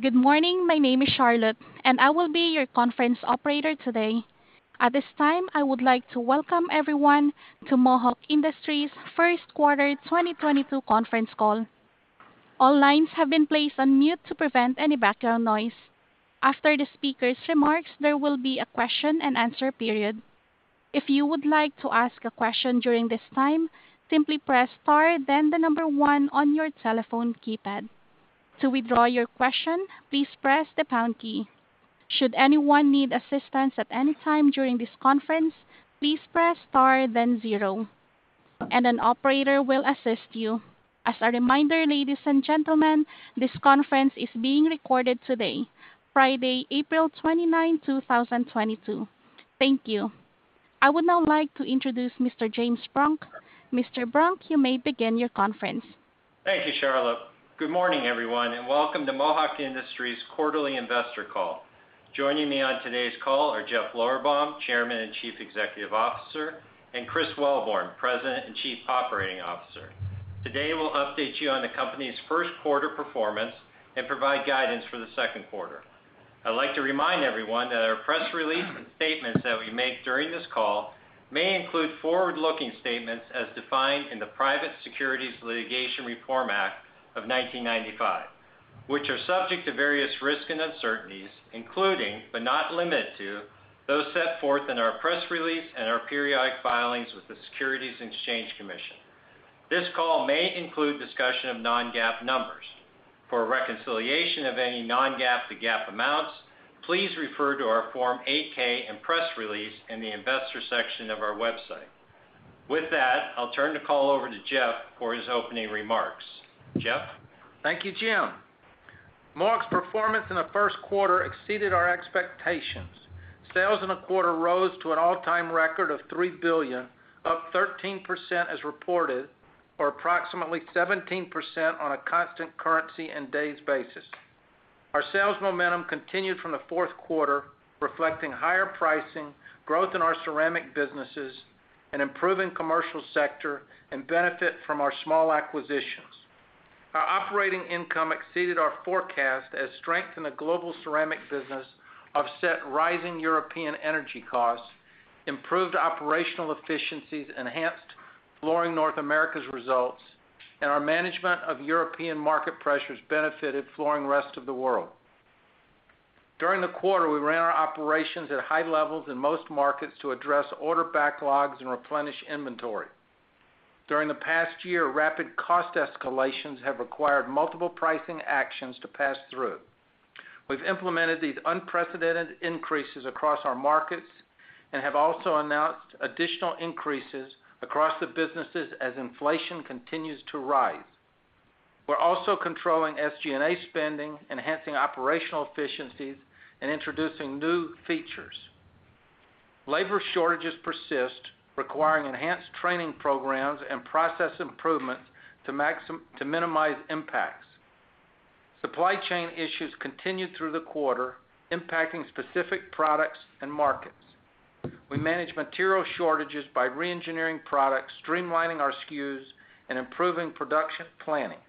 Good morning. My name is Charlotte, and I will be your conference operator today. At this time, I would like to welcome everyone to Mohawk Industries first quarter 2022 conference call. All lines have been placed on mute to prevent any background noise. After the speaker's remarks, there will be a question-and-answer period. If you would like to ask a question during this time, simply press Star, then the number one on your telephone keypad. To withdraw your question, please press the pound key. Should anyone need assistance at any time during this conference, please press Star then zero, and an operator will assist you. As a reminder, ladies and gentlemen, this conference is being recorded today, Friday, April 29, 2022. Thank you. I would now like to introduce Mr. James Brunk. Mr. Brunk, you may begin your conference. Thank you, Charlotte. Good morning, everyone, and welcome to Mohawk Industries' quarterly investor call. Joining me on today's call are Jeff Lorberbaum, Chairman and Chief Executive Officer, and Chris Wellborn, President and Chief Operating Officer. Today, we'll update you on the company's first quarter performance and provide guidance for the second quarter. I'd like to remind everyone that our press release and statements that we make during this call may include forward-looking statements as defined in the Private Securities Litigation Reform Act of 1995, which are subject to various risks and uncertainties, including, but not limited to, those set forth in our press release and our periodic filings with the Securities and Exchange Commission. This call may include discussion of non-GAAP numbers. For a reconciliation of any non-GAAP to GAAP amounts, please refer to our Form 8-K and press release in the Investor section of our website. With that, I'll turn the call over to Jeff for his opening remarks. Jeff? Thank you, Jim. Mohawk's performance in the first quarter exceeded our expectations. Sales in the quarter rose to an all-time record of $3 billion, up 13% as reported, or approximately 17% on a constant currency and days basis. Our sales momentum continued from the fourth quarter, reflecting higher pricing, growth in our ceramic businesses, an improving commercial sector, and benefit from our small acquisitions. Our operating income exceeded our forecast as strength in the global ceramic business offset rising European energy costs, improved operational efficiencies, enhanced Flooring North America's results, and our management of European market pressures benefited Flooring Rest of the World. During the quarter, we ran our operations at high levels in most markets to address order backlogs and replenish inventory. During the past year, rapid cost escalations have required multiple pricing actions to pass through. We've implemented these unprecedented increases across our markets and have also announced additional increases across the businesses as inflation continues to rise. We're also controlling SG&A spending, enhancing operational efficiencies, and introducing new features. Labor shortages persist, requiring enhanced training programs and process improvements to minimize impacts. Supply chain issues continued through the quarter, impacting specific products and markets. We managed material shortages by reengineering products, streamlining our SKUs, and improving production planning.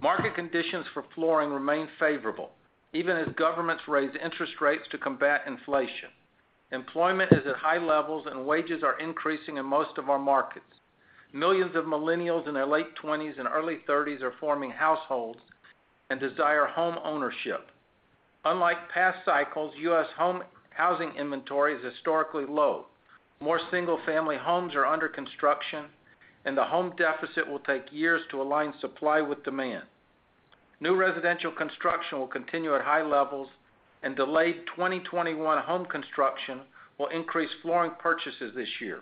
Market conditions for flooring remain favorable, even as governments raise interest rates to combat inflation. Employment is at high levels, and wages are increasing in most of our markets. Millions of millennials in their late 20s and early thirties are forming households and desire homeownership. Unlike past cycles, U.S. housing inventory is historically low. More single-family homes are under construction, and the home deficit will take years to align supply with demand. New residential construction will continue at high levels and delayed 2021 home construction will increase flooring purchases this year.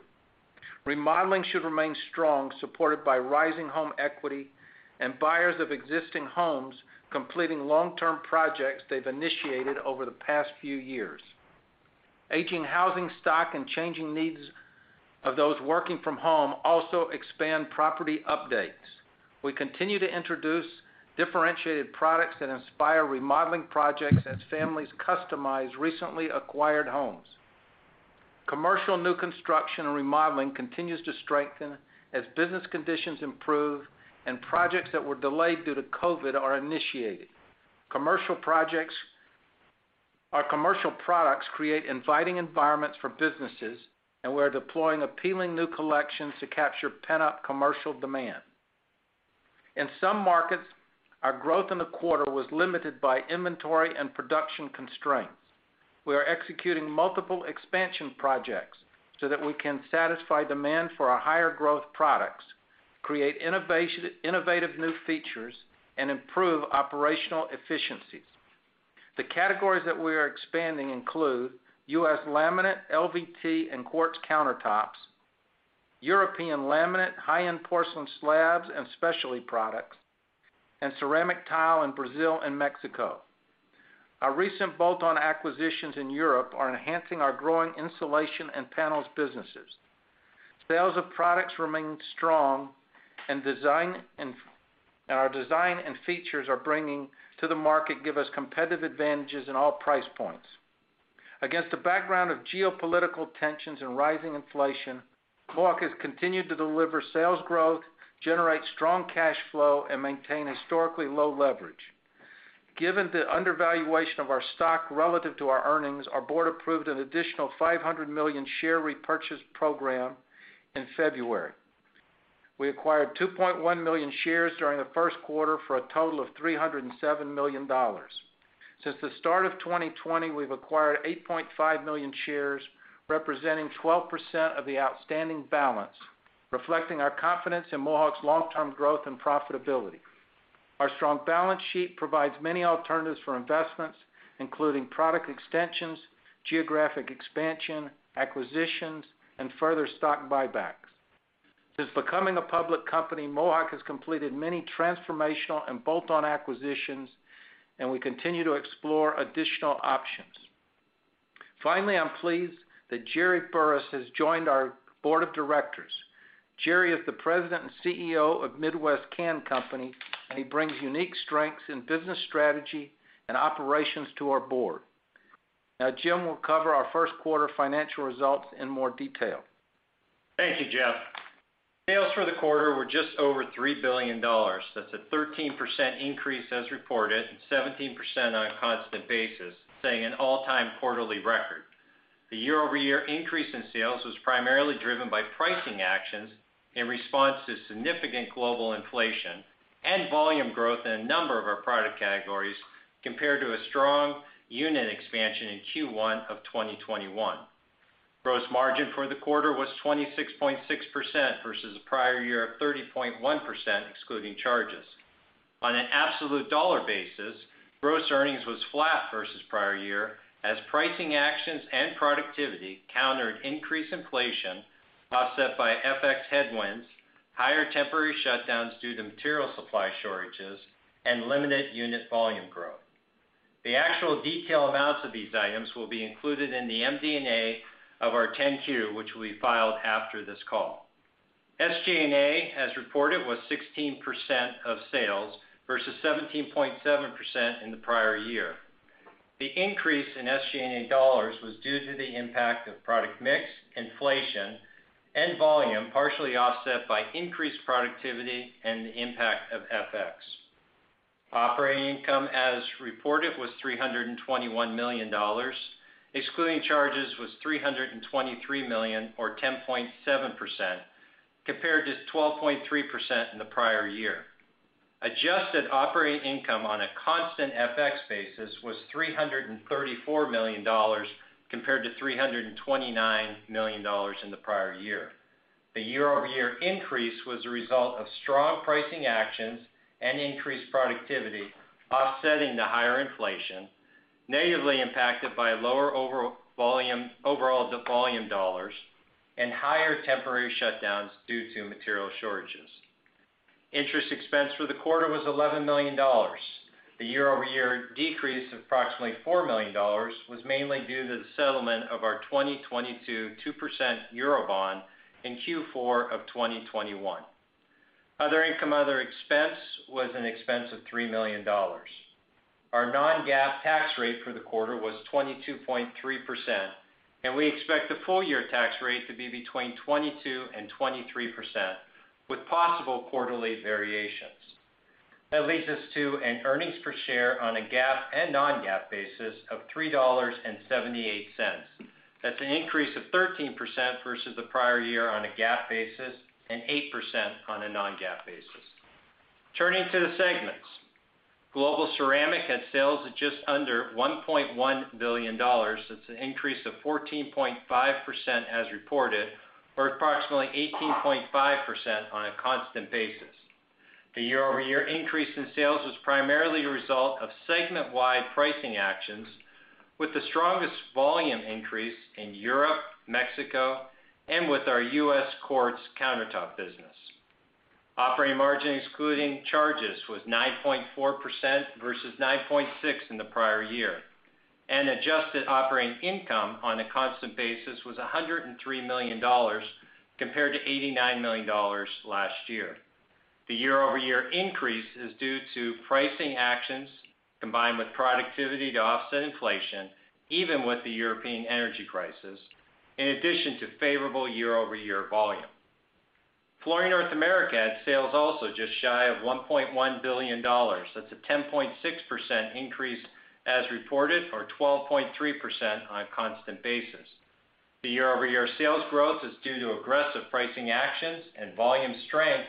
Remodeling should remain strong, supported by rising home equity and buyers of existing homes completing long-term projects they've initiated over the past few years. Aging housing stock and changing needs of those working from home also expand property updates. We continue to introduce differentiated products that inspire remodeling projects as families customize recently acquired homes. Commercial new construction and remodeling continues to strengthen as business conditions improve and projects that were delayed due to COVID are initiated. Commercial projects. Our commercial products create inviting environments for businesses, and we're deploying appealing new collections to capture pent-up commercial demand. In some markets, our growth in the quarter was limited by inventory and production constraints. We are executing multiple expansion projects so that we can satisfy demand for our higher growth products, create innovative new features, and improve operational efficiencies. The categories that we are expanding include U.S. laminate, LVT, and quartz countertops, European laminate, high-end porcelain slabs and specialty products, and ceramic tile in Brazil and Mexico. Our recent bolt-on acquisitions in Europe are enhancing our growing insulation and panels businesses. Sales of products remain strong and our design and features are bringing to the market, give us competitive advantages in all price points. Against the background of geopolitical tensions and rising inflation, Mohawk has continued to deliver sales growth, generate strong cash flow, and maintain historically low leverage. Given the undervaluation of our stock relative to our earnings, our board approved an additional $500 million share repurchase program in February. We acquired 2.1 million shares during the first quarter for a total of $307 million. Since the start of 2020, we've acquired 8.5 million shares, representing 12% of the outstanding balance, reflecting our confidence in Mohawk's long-term growth and profitability. Our strong balance sheet provides many alternatives for investments, including product extensions, geographic expansion, acquisitions, and further stock buybacks. Since becoming a public company, Mohawk has completed many transformational and bolt-on acquisitions, and we continue to explore additional options. Finally, I'm pleased that Jerry Burris has joined our board of directors. Jerry is the President and CEO of Midwest Can Company, and he brings unique strengths in business strategy and operations to our board. Now, Jim will cover our first quarter financial results in more detail. Thank you, Jeff. Sales for the quarter were just over $3 billion. That's a 13% increase as reported, and 17% on a constant basis, setting an all-time quarterly record. The year-over-year increase in sales was primarily driven by pricing actions in response to significant global inflation and volume growth in a number of our product categories compared to a strong unit expansion in Q1 of 2021. Gross margin for the quarter was 26.6% versus the prior year of 30.1% excluding charges. On an absolute dollar basis, gross earnings was flat versus prior year as pricing actions and productivity countered increased inflation offset by FX headwinds, higher temporary shutdowns due to material supply shortages, and limited unit volume growth. The actual detailed amounts of these items will be included in the MD&A of our 10-Q, which will be filed after this call. SG&A, as reported, was 16% of sales versus 17.7% in the prior year. The increase in SG&A dollars was due to the impact of product mix, inflation, and volume, partially offset by increased productivity and the impact of FX. Operating income, as reported, was $321 million. Excluding charges was $323 million or 10.7%, compared to 12.3% in the prior year. Adjusted operating income on a constant FX basis was $334 million compared to $329 million in the prior year. The year-over-year increase was a result of strong pricing actions and increased productivity, offsetting the higher inflation, negatively impacted by lower overall volume dollars and higher temporary shutdowns due to material shortages. Interest expense for the quarter was $11 million. The year-over-year decrease of approximately $4 million was mainly due to the settlement of our 2020 2% Eurobond in Q4 of 2021. Other income, other expense was an expense of $3 million. Our non-GAAP tax rate for the quarter was 22.3%, and we expect the full-year tax rate to be between 22% and 23% with possible quarterly variations. That leads us to an earnings per share on a GAAP and non-GAAP basis of $3.78. That's an increase of 13% versus the prior year on a GAAP basis and 8% on a non-GAAP basis. Turning to the segments. Global Ceramic had sales of just under $1.1 billion. That's an increase of 14.5% as reported or approximately 18.5% on a constant basis. The year-over-year increase in sales was primarily a result of segment-wide pricing actions with the strongest volume increase in Europe, Mexico, and with our US quartz countertops business. Operating margin excluding charges was 9.4% versus 9.6% in the prior year, and adjusted operating income on a constant basis was $103 million compared to $89 million last year. The year-over-year increase is due to pricing actions combined with productivity to offset inflation, even with the European energy crisis, in addition to favorable year-over-year volume. Flooring North America had sales also just shy of $1.1 billion. That's a 10.6% increase as reported or 12.3% on a constant basis. The year-over-year sales growth is due to aggressive pricing actions and volume strength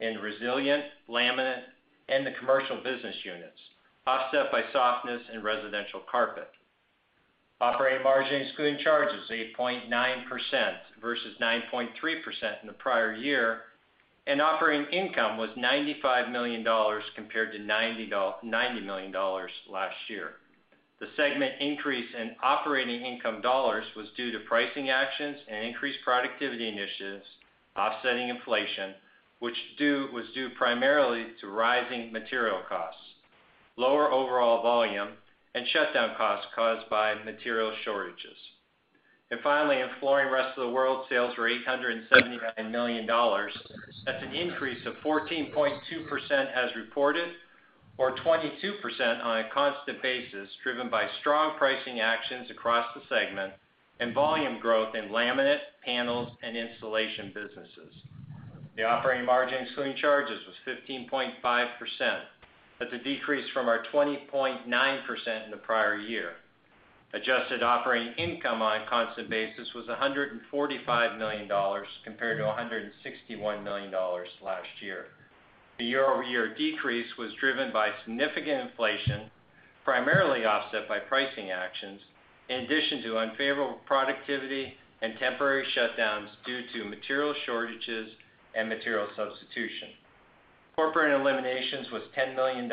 in resilient, laminate, and the commercial business units, offset by softness in residential carpet. Operating margin excluding charges, 8.9% versus 9.3% in the prior year, and operating income was $95 million compared to $90 million last year. The segment increase in operating income dollars was due to pricing actions and increased productivity initiatives offsetting inflation, which was due primarily to rising material costs, lower overall volume, and shutdown costs caused by material shortages. Finally, in Flooring Rest of the World, sales were $879 million. That's an increase of 14.2% as reported, or 22% on a constant basis, driven by strong pricing actions across the segment and volume growth in laminate, panels, and installation businesses. The operating margin excluding charges was 15.5%. That's a decrease from our 20.9% in the prior year. Adjusted operating income on a constant basis was $145 million compared to $161 million last year. The year-over-year decrease was driven by significant inflation, primarily offset by pricing actions, in addition to unfavorable productivity and temporary shutdowns due to material shortages and material substitution. Corporate eliminations was $10 million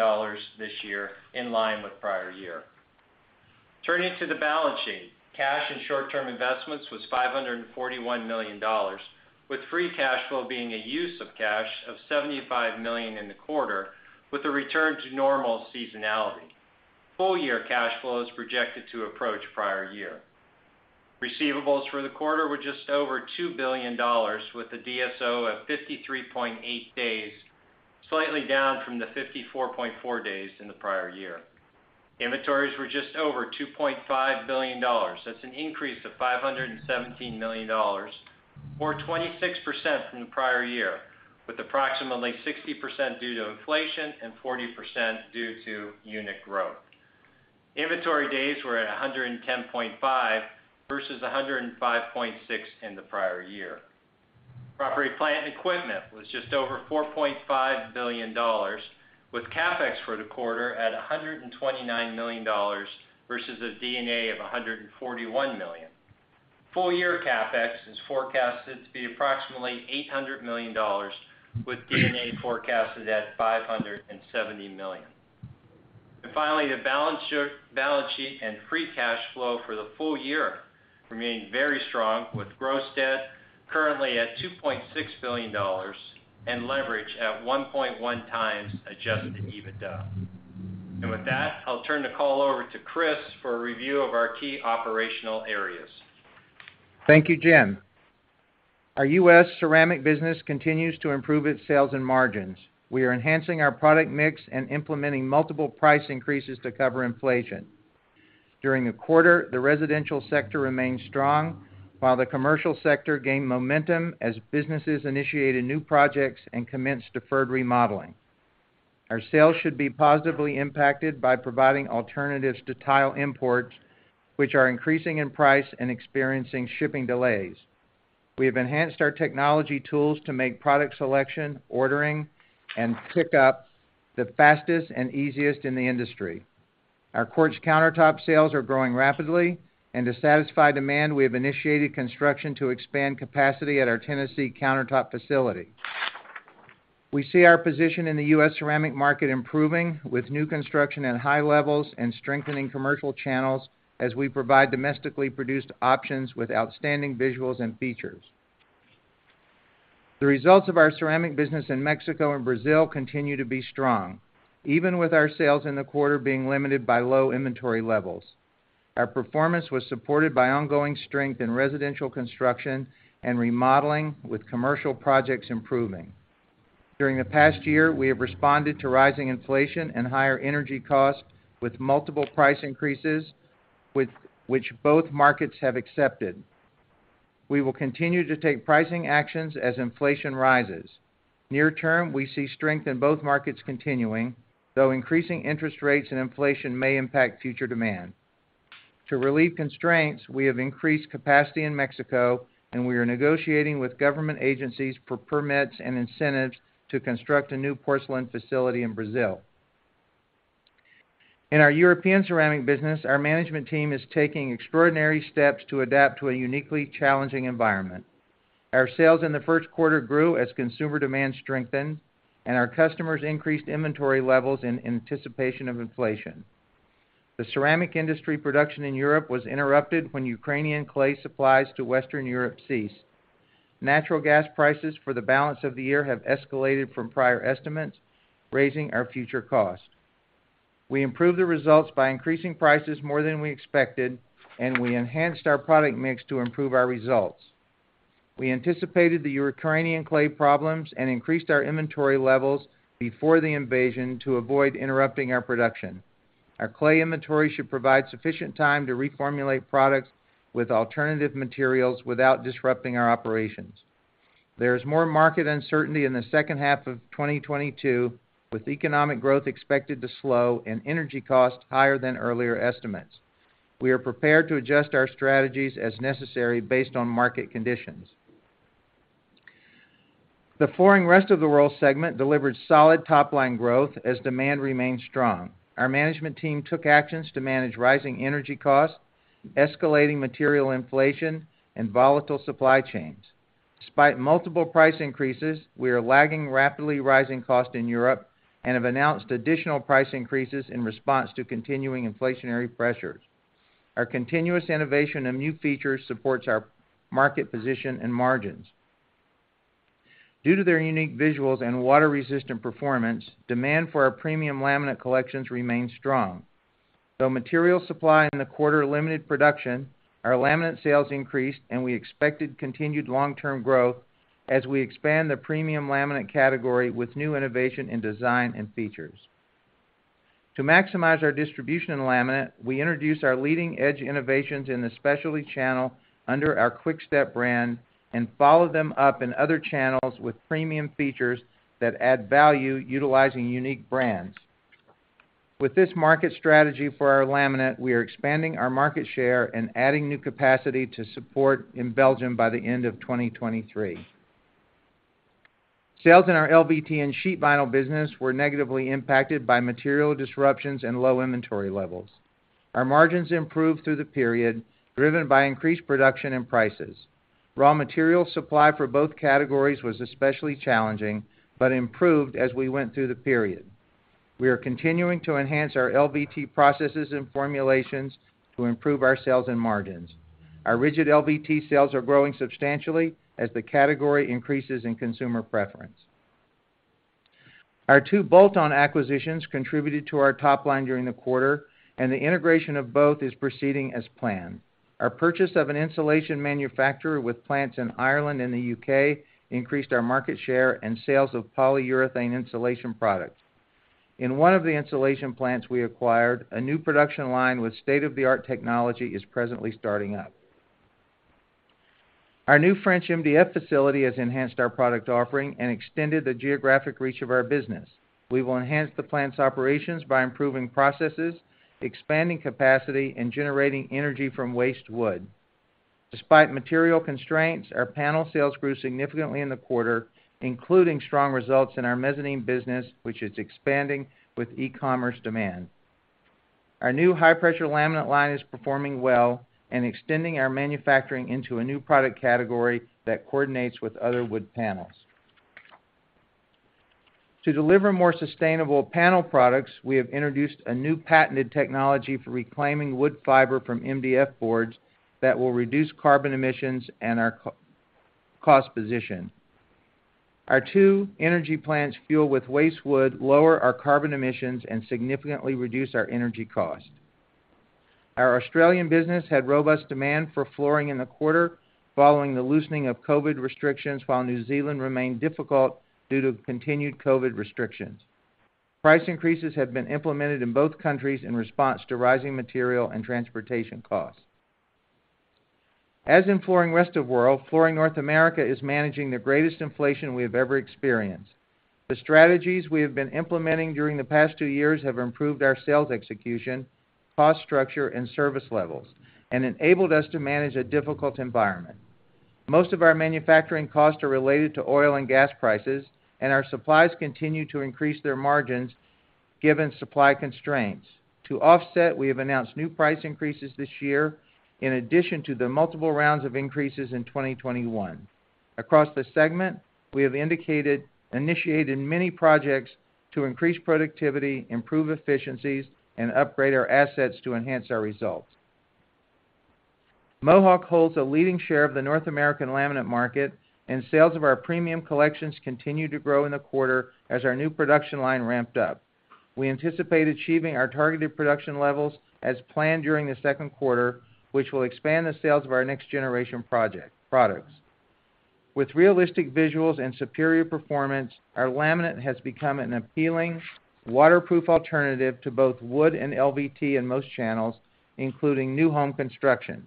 this year, in line with prior year. Turning to the balance sheet. Cash and short-term investments were $541 million, with free cash flow being a use of cash of $75 million in the quarter, with a return to normal seasonality. Full-year cash flow is projected to approach prior year. Receivables for the quarter were just over $2 billion, with a DSO of 53.8 days, slightly down from the 54.4 days in the prior year. Inventories were just over $2.5 billion. That's an increase of $517 million or 26% from the prior year, with approximately 60% due to inflation and 40% due to unit growth. Inventory days were at 110.5 versus 105.6 in the prior year. Property, plant, and equipment was just over $4.5 billion, with CapEx for the quarter at $129 million versus a D&A of $141 million. Full-year CapEx is forecasted to be approximately $800 million, with D&A forecasted at $570 million. Finally, the balance sheet and free cash flow for the full-year remain very strong, with gross debt currently at $2.6 billion and leverage at 1.1x adjusted EBITDA. With that, I'll turn the call over to Chris for a review of our key operational areas. Thank you, Jim. Our U.S. ceramic business continues to improve its sales and margins. We are enhancing our product mix and implementing multiple price increases to cover inflation. During the quarter, the residential sector remained strong, while the commercial sector gained momentum as businesses initiated new projects and commenced deferred remodeling. Our sales should be positively impacted by providing alternatives to tile imports, which are increasing in price and experiencing shipping delays. We have enhanced our technology tools to make product selection, ordering, and pickup the fastest and easiest in the industry. Our quartz countertop sales are growing rapidly, and to satisfy demand, we have initiated construction to expand capacity at our Tennessee countertop facility. We see our position in the U.S. ceramic market improving, with new construction at high levels and strengthening commercial channels as we provide domestically produced options with outstanding visuals and features. The results of our ceramic business in Mexico and Brazil continue to be strong, even with our sales in the quarter being limited by low inventory levels. Our performance was supported by ongoing strength in residential construction and remodeling, with commercial projects improving. During the past year, we have responded to rising inflation and higher energy costs with multiple price increases, which both markets have accepted. We will continue to take pricing actions as inflation rises. Near term, we see strength in both markets continuing, though increasing interest rates and inflation may impact future demand. To relieve constraints, we have increased capacity in Mexico, and we are negotiating with government agencies for permits and incentives to construct a new porcelain facility in Brazil. In our European ceramic business, our management team is taking extraordinary steps to adapt to a uniquely challenging environment. Our sales in the first quarter grew as consumer demand strengthened and our customers increased inventory levels in anticipation of inflation. The ceramic industry production in Europe was interrupted when Ukrainian clay supplies to Western Europe ceased. Natural gas prices for the balance of the year have escalated from prior estimates, raising our future cost. We improved the results by increasing prices more than we expected, and we enhanced our product mix to improve our results. We anticipated the Ukrainian clay problems and increased our inventory levels before the invasion to avoid interrupting our production. Our clay inventory should provide sufficient time to reformulate products with alternative materials without disrupting our operations. There is more market uncertainty in the second half of 2022, with economic growth expected to slow and energy costs higher than earlier estimates. We are prepared to adjust our strategies as necessary based on market conditions. The Flooring Rest of the World segment delivered solid top-line growth as demand remained strong. Our management team took actions to manage rising energy costs, escalating material inflation, and volatile supply chains. Despite multiple price increases, we are lagging rapidly rising costs in Europe and have announced additional price increases in response to continuing inflationary pressures. Our continuous innovation and new features supports our market position and margins. Due to their unique visuals and water-resistant performance, demand for our premium laminate collections remains strong. Though material supply in the quarter limited production, our laminate sales increased, and we expected continued long-term growth as we expand the premium laminate category with new innovation in design and features. To maximize our distribution in laminate, we introduced our leading-edge innovations in the specialty channel under our Quick-Step brand and followed them up in other channels with premium features that add value utilizing unique brands. With this market strategy for our laminate, we are expanding our market share and adding new capacity to support in Belgium by the end of 2023. Sales in our LVT and sheet vinyl business were negatively impacted by material disruptions and low inventory levels. Our margins improved through the period, driven by increased production and prices. Raw material supply for both categories was especially challenging but improved as we went through the period. We are continuing to enhance our LVT processes and formulations to improve our sales and margins. Our rigid LVT sales are growing substantially as the category increases in consumer preference. Our two bolt-on acquisitions contributed to our top line during the quarter, and the integration of both is proceeding as planned. Our purchase of an insulation manufacturer with plants in Ireland and the U.K. increased our market share and sales of polyurethane insulation products. In one of the insulation plants we acquired, a new production line with state-of-the-art technology is presently starting up. Our new French MDF facility has enhanced our product offering and extended the geographic reach of our business. We will enhance the plant's operations by improving processes, expanding capacity, and generating energy from waste wood. Despite material constraints, our panel sales grew significantly in the quarter, including strong results in our mezzanine business, which is expanding with e-commerce demand. Our new high-pressure laminate line is performing well and extending our manufacturing into a new product category that coordinates with other wood panels. To deliver more sustainable panel products, we have introduced a new patented technology for reclaiming wood fiber from MDF boards that will reduce carbon emissions and our cost position. Our two energy plants fueled with waste wood lower our carbon emissions and significantly reduce our energy cost. Our Australian business had robust demand for flooring in the quarter following the loosening of COVID restrictions, while New Zealand remained difficult due to continued COVID restrictions. Price increases have been implemented in both countries in response to rising material and transportation costs. As in Flooring Rest of the World, Flooring North America is managing the greatest inflation we have ever experienced. The strategies we have been implementing during the past two years have improved our sales execution, cost structure, and service levels and enabled us to manage a difficult environment. Most of our manufacturing costs are related to oil and gas prices, and our suppliers continue to increase their margins given supply constraints. To offset, we have announced new price increases this year in addition to the multiple rounds of increases in 2021. Across the segment, we have initiated many projects to increase productivity, improve efficiencies, and upgrade our assets to enhance our results. Mohawk holds a leading share of the North American laminate market, and sales of our premium collections continued to grow in the quarter as our new production line ramped up. We anticipate achieving our targeted production levels as planned during the second quarter, which will expand the sales of our next-generation products. With realistic visuals and superior performance, our laminate has become an appealing, waterproof alternative to both wood and LVT in most channels, including new home construction.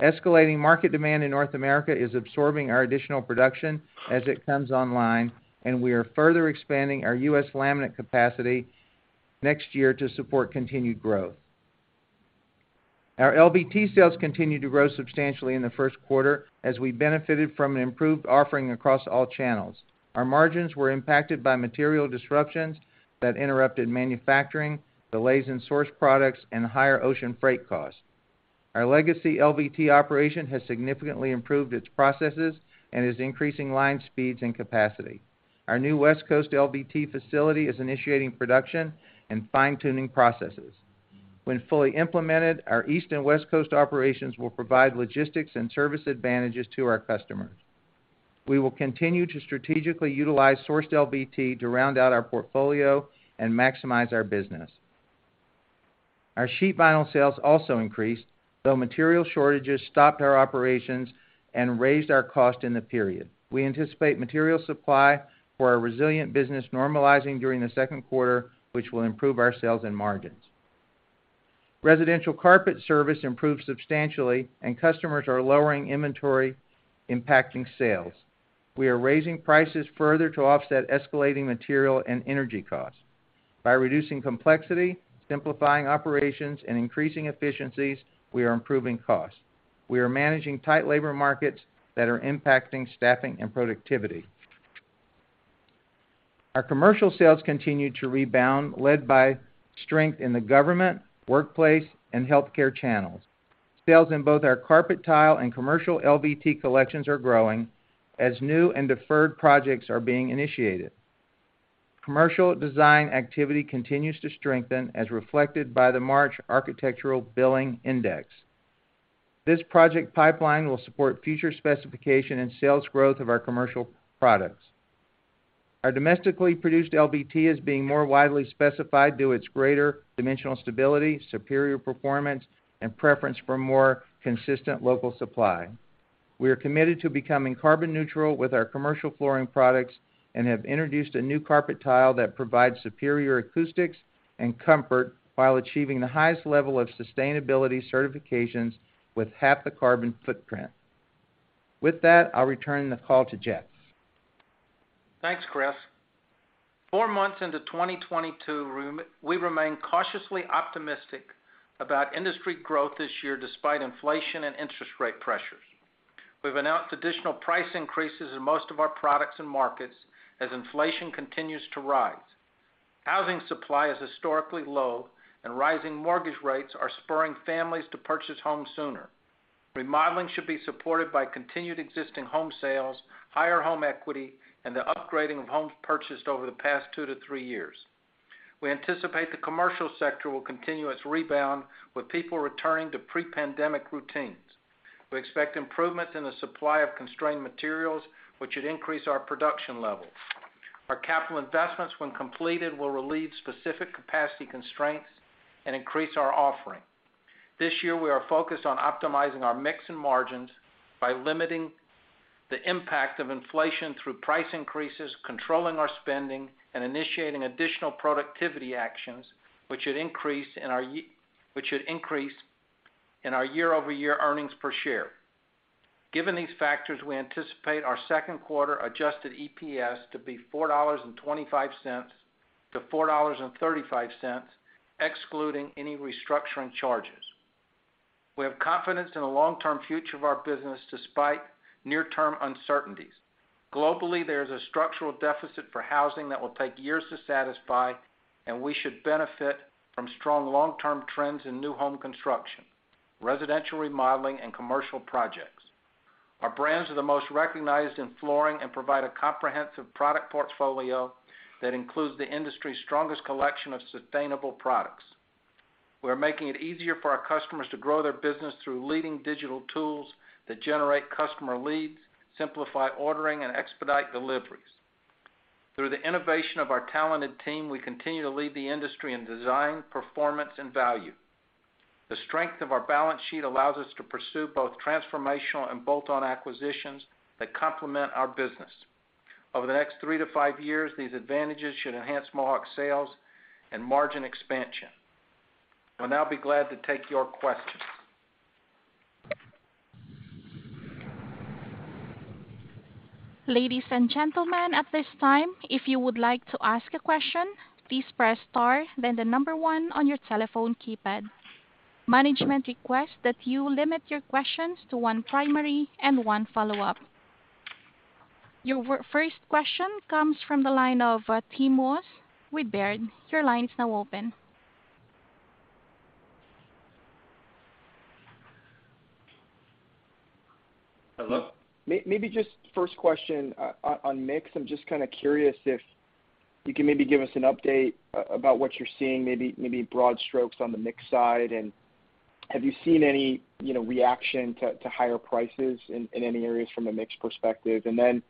Escalating market demand in North America is absorbing our additional production as it comes online, and we are further expanding our U.S. laminate capacity next year to support continued growth. Our LVT sales continued to grow substantially in the first quarter as we benefited from an improved offering across all channels. Our margins were impacted by material disruptions that interrupted manufacturing, delays in sourced products, and higher ocean freight costs. Our legacy LVT operation has significantly improved its processes and is increasing line speeds and capacity. Our new West Coast LVT facility is initiating production and fine-tuning processes. When fully implemented, our East and West Coast operations will provide logistics and service advantages to our customers. We will continue to strategically utilize sourced LVT to round out our portfolio and maximize our business. Our sheet vinyl sales also increased, though material shortages stopped our operations and raised our cost in the period. We anticipate material supply for our resilient business normalizing during the second quarter, which will improve our sales and margins. Residential carpet service improved substantially and customers are lowering inventory, impacting sales. We are raising prices further to offset escalating material and energy costs. By reducing complexity, simplifying operations, and increasing efficiencies, we are improving costs. We are managing tight labor markets that are impacting staffing and productivity. Our commercial sales continued to rebound, led by strength in the government, workplace, and healthcare channels. Sales in both our carpet tile and commercial LVT collections are growing as new and deferred projects are being initiated. Commercial design activity continues to strengthen as reflected by the March Architecture Billings Index. This project pipeline will support future specification and sales growth of our commercial products. Our domestically produced LVT is being more widely specified due to its greater dimensional stability, superior performance, and preference for more consistent local supply. We are committed to becoming carbon neutral with our commercial flooring products and have introduced a new carpet tile that provides superior acoustics and comfort while achieving the highest level of sustainability certifications with half the carbon footprint. With that, I'll return the call to Jeff. Thanks, Chris. Four months into 2022, we remain cautiously optimistic about industry growth this year despite inflation and interest rate pressures. We've announced additional price increases in most of our products and markets as inflation continues to rise. Housing supply is historically low, and rising mortgage rates are spurring families to purchase homes sooner. Remodeling should be supported by continued existing home sales, higher home equity, and the upgrading of homes purchased over the past two to three years. We anticipate the commercial sector will continue its rebound with people returning to pre-pandemic routines. We expect improvements in the supply of constrained materials, which should increase our production levels. Our capital investments, when completed, will relieve specific capacity constraints and increase our offering. This year, we are focused on optimizing our mix and margins by limiting the impact of inflation through price increases, controlling our spending, and initiating additional productivity actions, which should increase in our year-over-year earnings per share. Given these factors, we anticipate our second quarter adjusted EPS to be $4.25-$4.35, excluding any restructuring charges. We have confidence in the long-term future of our business despite near-term uncertainties. Globally, there is a structural deficit for housing that will take years to satisfy, and we should benefit from strong long-term trends in new home construction, residential remodeling, and commercial projects. Our brands are the most recognized in flooring and provide a comprehensive product portfolio that includes the industry's strongest collection of sustainable products. We're making it easier for our customers to grow their business through leading digital tools that generate customer leads, simplify ordering, and expedite deliveries. Through the innovation of our talented team, we continue to lead the industry in design, performance, and value. The strength of our balance sheet allows us to pursue both transformational and bolt-on acquisitions that complement our business. Over the next three to five years, these advantages should enhance Mohawk's sales and margin expansion. I'll now be glad to take your questions. Ladies and gentlemen, at this time, if you would like to ask a question, please press star then the number one on your telephone keypad. Management requests that you limit your questions to one primary and one follow-up. Your first question comes from the line of Tim Wojs with Baird. Your line's now open. Hello. Maybe just first question on mix. I'm just kinda curious if you can maybe give us an update about what you're seeing, maybe broad strokes on the mix side. Have you seen any, you know, reaction to higher prices in any areas from a mix perspective? Then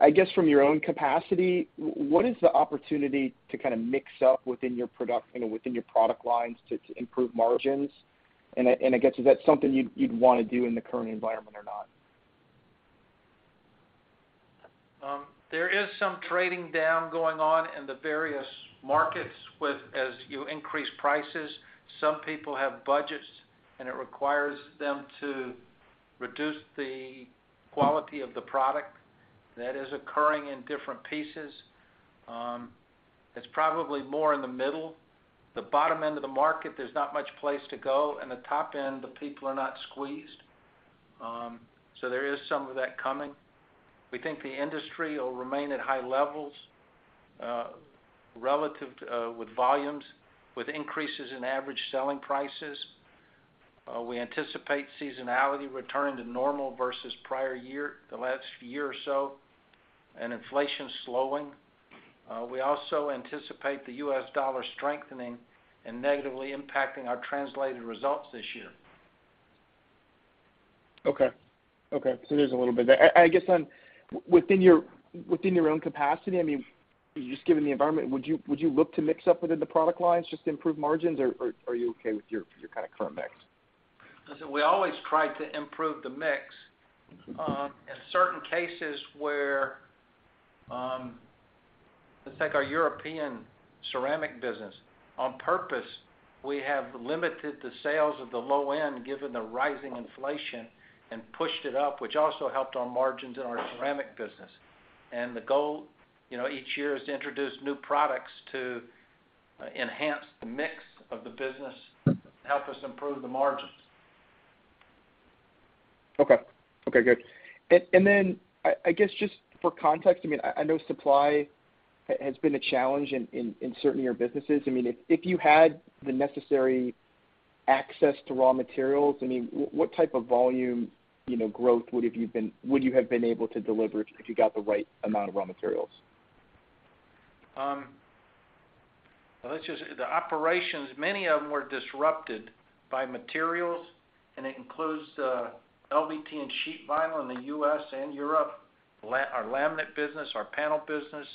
I guess from your own capacity, what is the opportunity to kind of mix up within your product, you know, within your product lines to improve margins? I guess, is that something you'd wanna do in the current environment or not? There is some trading down going on in the various markets with, as you increase prices. Some people have budgets, and it requires them to reduce the quality of the product. That is occurring in different pieces. It's probably more in the middle. The bottom end of the market, there's not much place to go. In the top end, the people are not squeezed. There is some of that coming. We think the industry will remain at high levels relative with volumes, with increases in average selling prices. We anticipate seasonality returning to normal versus prior year, the last year or so, and inflation slowing. We also anticipate the US dollar strengthening and negatively impacting our translated results this year. Okay. Okay. There's a little bit there. I guess on within your own capacity, I mean, just given the environment, would you look to mix up within the product lines just to improve margins, or are you okay with your kind of current mix? Listen, we always try to improve the mix. In certain cases where, let's take our European ceramic business. On purpose, we have limited the sales of the low end given the rising inflation and pushed it up, which also helped our margins in our ceramic business. The goal, you know, each year is to introduce new products to enhance the mix of the business to help us improve the margins. Okay. Okay, good. I guess just for context, I mean, I know supply has been a challenge in certain of your businesses. I mean, if you had the necessary access to raw materials. I mean, what type of volume, you know, growth would you have been able to deliver if you got the right amount of raw materials? Let's just say the operations, many of them were disrupted by materials, and it includes LVT and sheet vinyl in the U.S. and Europe, our laminate business, our panel business,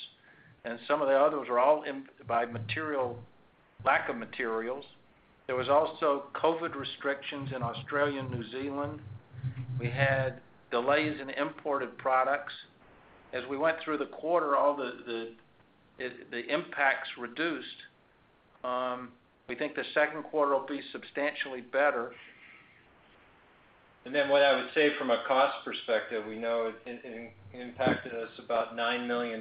and some of the others are all by lack of materials. There was also COVID restrictions in Australia and New Zealand. We had delays in imported products. As we went through the quarter, all the impacts reduced. We think the second quarter will be substantially better. What I would say from a cost perspective, we know it impacted us about $9 million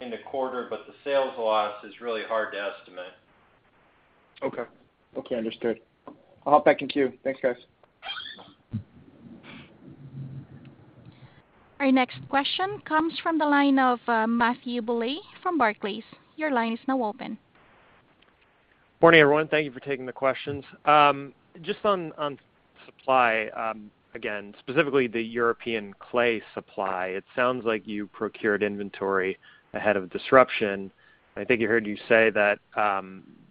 in the quarter, but the sales loss is really hard to estimate. Okay. Okay, understood. I'll hop back in queue. Thanks, guys. Our next question comes from the line of Matthew Bouley from Barclays. Your line is now open. Morning, everyone. Thank you for taking the questions. Just on supply, again, specifically the European clay supply, it sounds like you procured inventory ahead of disruption. I think I heard you say that,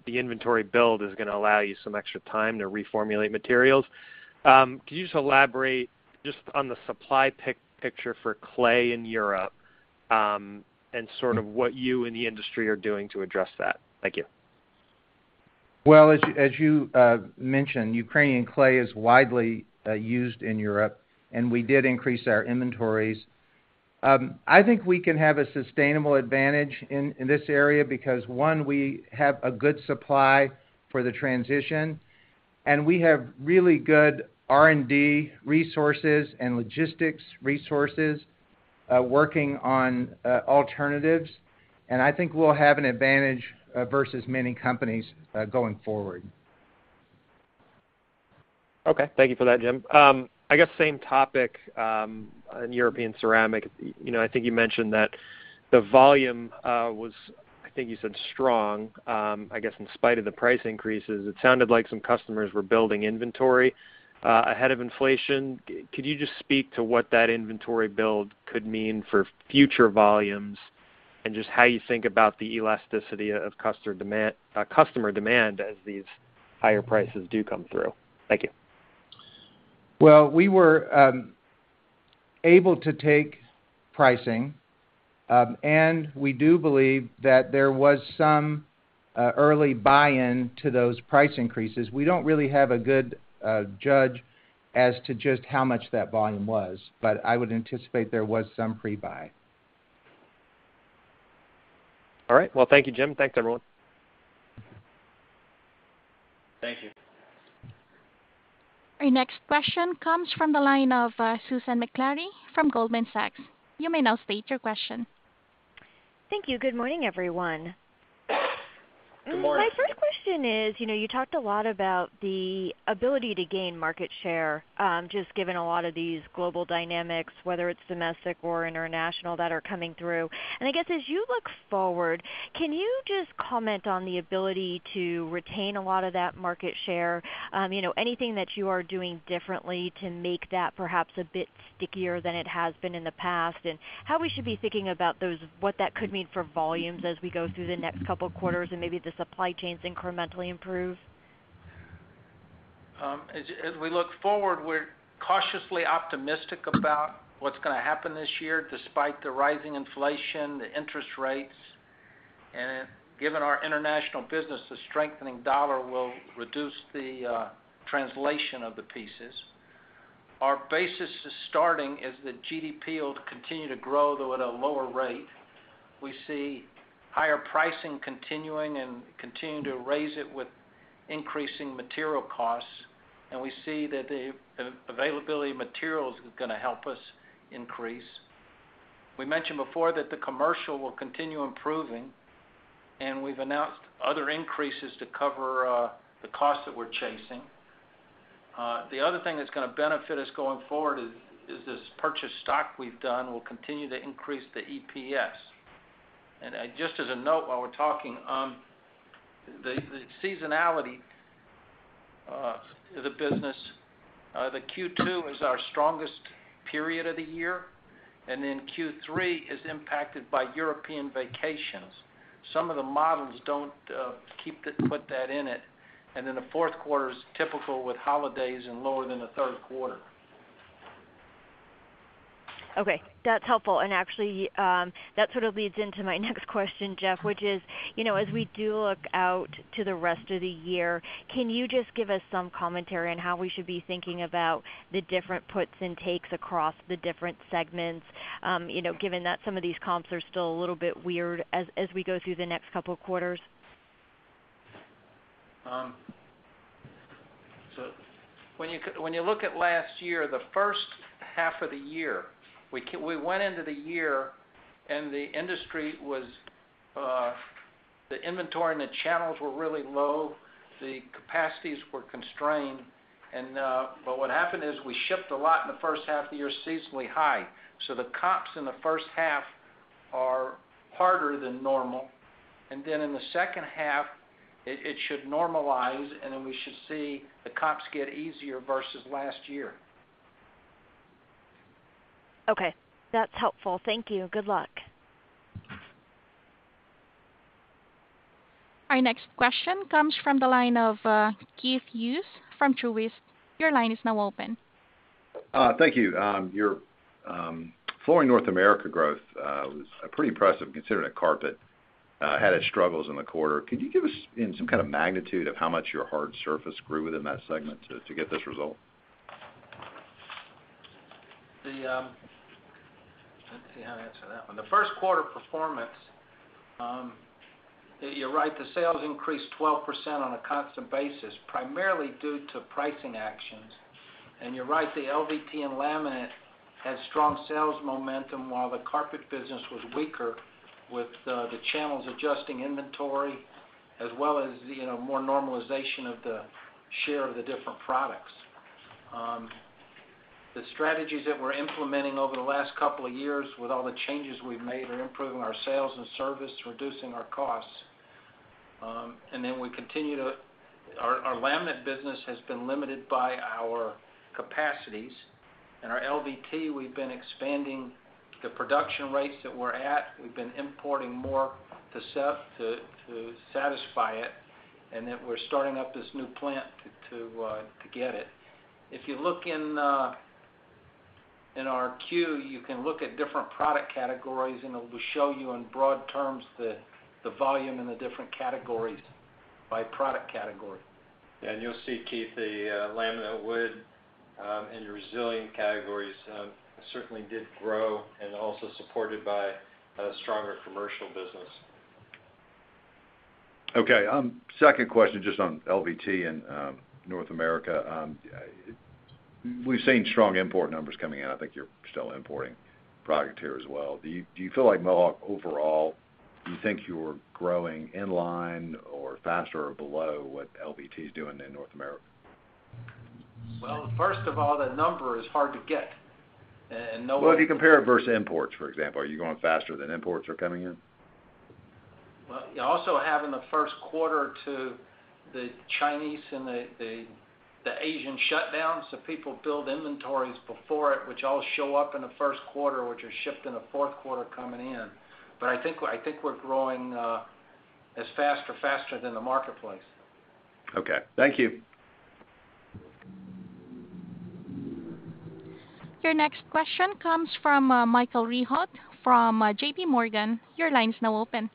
the inventory build is gonna allow you some extra time to reformulate materials. Could you just elaborate just on the supply picture for clay in Europe, and sort of what you and the industry are doing to address that? Thank you. Well, as you mentioned, Ukrainian clay is widely used in Europe, and we did increase our inventories. I think we can have a sustainable advantage in this area because, one, we have a good supply for the transition, and we have really good R&D resources and logistics resources working on alternatives. I think we'll have an advantage versus many companies going forward. Okay. Thank you for that, Jim. I guess same topic, on European ceramic. You know, I think you mentioned that the volume was, I think you said strong, I guess in spite of the price increases. It sounded like some customers were building inventory ahead of inflation. Could you just speak to what that inventory build could mean for future volumes and just how you think about the elasticity of customer demand as these higher prices do come through? Thank you. Well, we were able to take pricing, and we do believe that there was some early buy-in to those price increases. We don't really have a good judge as to just how much that volume was, but I would anticipate there was some pre-buy. All right. Well, thank you, Jim. Thanks, everyone. Thank you. Our next question comes from the line of, Susan Maklari from Goldman Sachs. You may now state your question. Thank you. Good morning, everyone. Good morning. My first question is, you know, you talked a lot about the ability to gain market share, just given a lot of these global dynamics, whether it's domestic or international, that are coming through. I guess as you look-forward, can you just comment on the ability to retain a lot of that market share? You know, anything that you are doing differently to make that perhaps a bit stickier than it has been in the past, and how we should be thinking about those, what that could mean for volumes as we go through the next couple quarters and maybe the supply chains incrementally improve. As we look forward, we're cautiously optimistic about what's gonna happen this year, despite the rising inflation, the interest rates. Given our international business, the strengthening dollar will reduce the translation of the EPS. Our basis is that the GDP will continue to grow, though at a lower rate. We see higher pricing continuing to raise it with increasing material costs, and we see that the availability of materials is gonna help us increase. We mentioned before that the commercial will continue improving, and we've announced other increases to cover the costs that we're facing. The other thing that's gonna benefit us going forward is this purchased stock we've done will continue to increase the EPS. Just as a note while we're talking, the seasonality of the business. The Q2 is our strongest period of the year, and then Q3 is impacted by European vacations. Some of the models don't put that in it. The fourth quarter is typical with holidays and lower than the third quarter. Okay, that's helpful. Actually, that sort of leads into my next question, Jeff, which is, you know, as we do look out to the rest of the year, can you just give us some commentary on how we should be thinking about the different puts and takes across the different segments, you know, given that some of these comps are still a little bit weird as we go through the next couple of quarters? When you look at last year, the first half of the year, we went into the year, and the industry was, the inventory and the channels were really low, the capacities were constrained, and but what happened is we shipped a lot in the first half of the year, seasonally high. The comps in the first half are harder than normal. In the second half, it should normalize, and then we should see the comps get easier versus last year. Okay. That's helpful. Thank you. Good luck. Our next question comes from the line of Keith Hughes from Truist. Your line is now open. Thank you. Your Flooring North America growth was pretty impressive considering that carpet had its struggles in the quarter. Could you give us in some kind of magnitude of how much your hard surface grew within that segment to get this result? Let's see, how I answer that one. The first quarter performance, you're right, the sales increased 12% on a constant basis, primarily due to pricing actions. You're right, the LVT and laminate had strong sales momentum while the carpet business was weaker with the channels adjusting inventory as well as, you know, more normalization of the share of the different products. The strategies that we're implementing over the last couple of years with all the changes we've made are improving our sales and service, reducing our costs. Our laminate business has been limited by our capacities. Our LVT, we've been expanding the production rates that we're at. We've been importing more to satisfy it, and we're starting up this new plant to get it. If you look in our Q, you can look at different product categories, and it'll show you in broad terms the volume in the different categories by product category. You'll see, Keith, the laminate wood and the resilient categories certainly did grow and also supported by a stronger commercial business. Okay. Second question just on LVT and North America. We've seen strong import numbers coming in. I think you're still importing product here as well. Do you feel like Mohawk overall, do you think you're growing in line or faster or below what LVT is doing in North America? Well, first of all, the number is hard to get. Well, if you compare it versus imports, for example, are you growing faster than imports are coming in? Well, you also have in the first quarter to the Chinese and the Asian shutdowns, so people build inventories before it, which all show up in the first quarter, which are shipped in the fourth quarter coming in. I think we're growing as fast or faster than the marketplace. Okay. Thank you. Your next question comes from, Michael Rehaut from, J.P. Morgan. Your line is now open.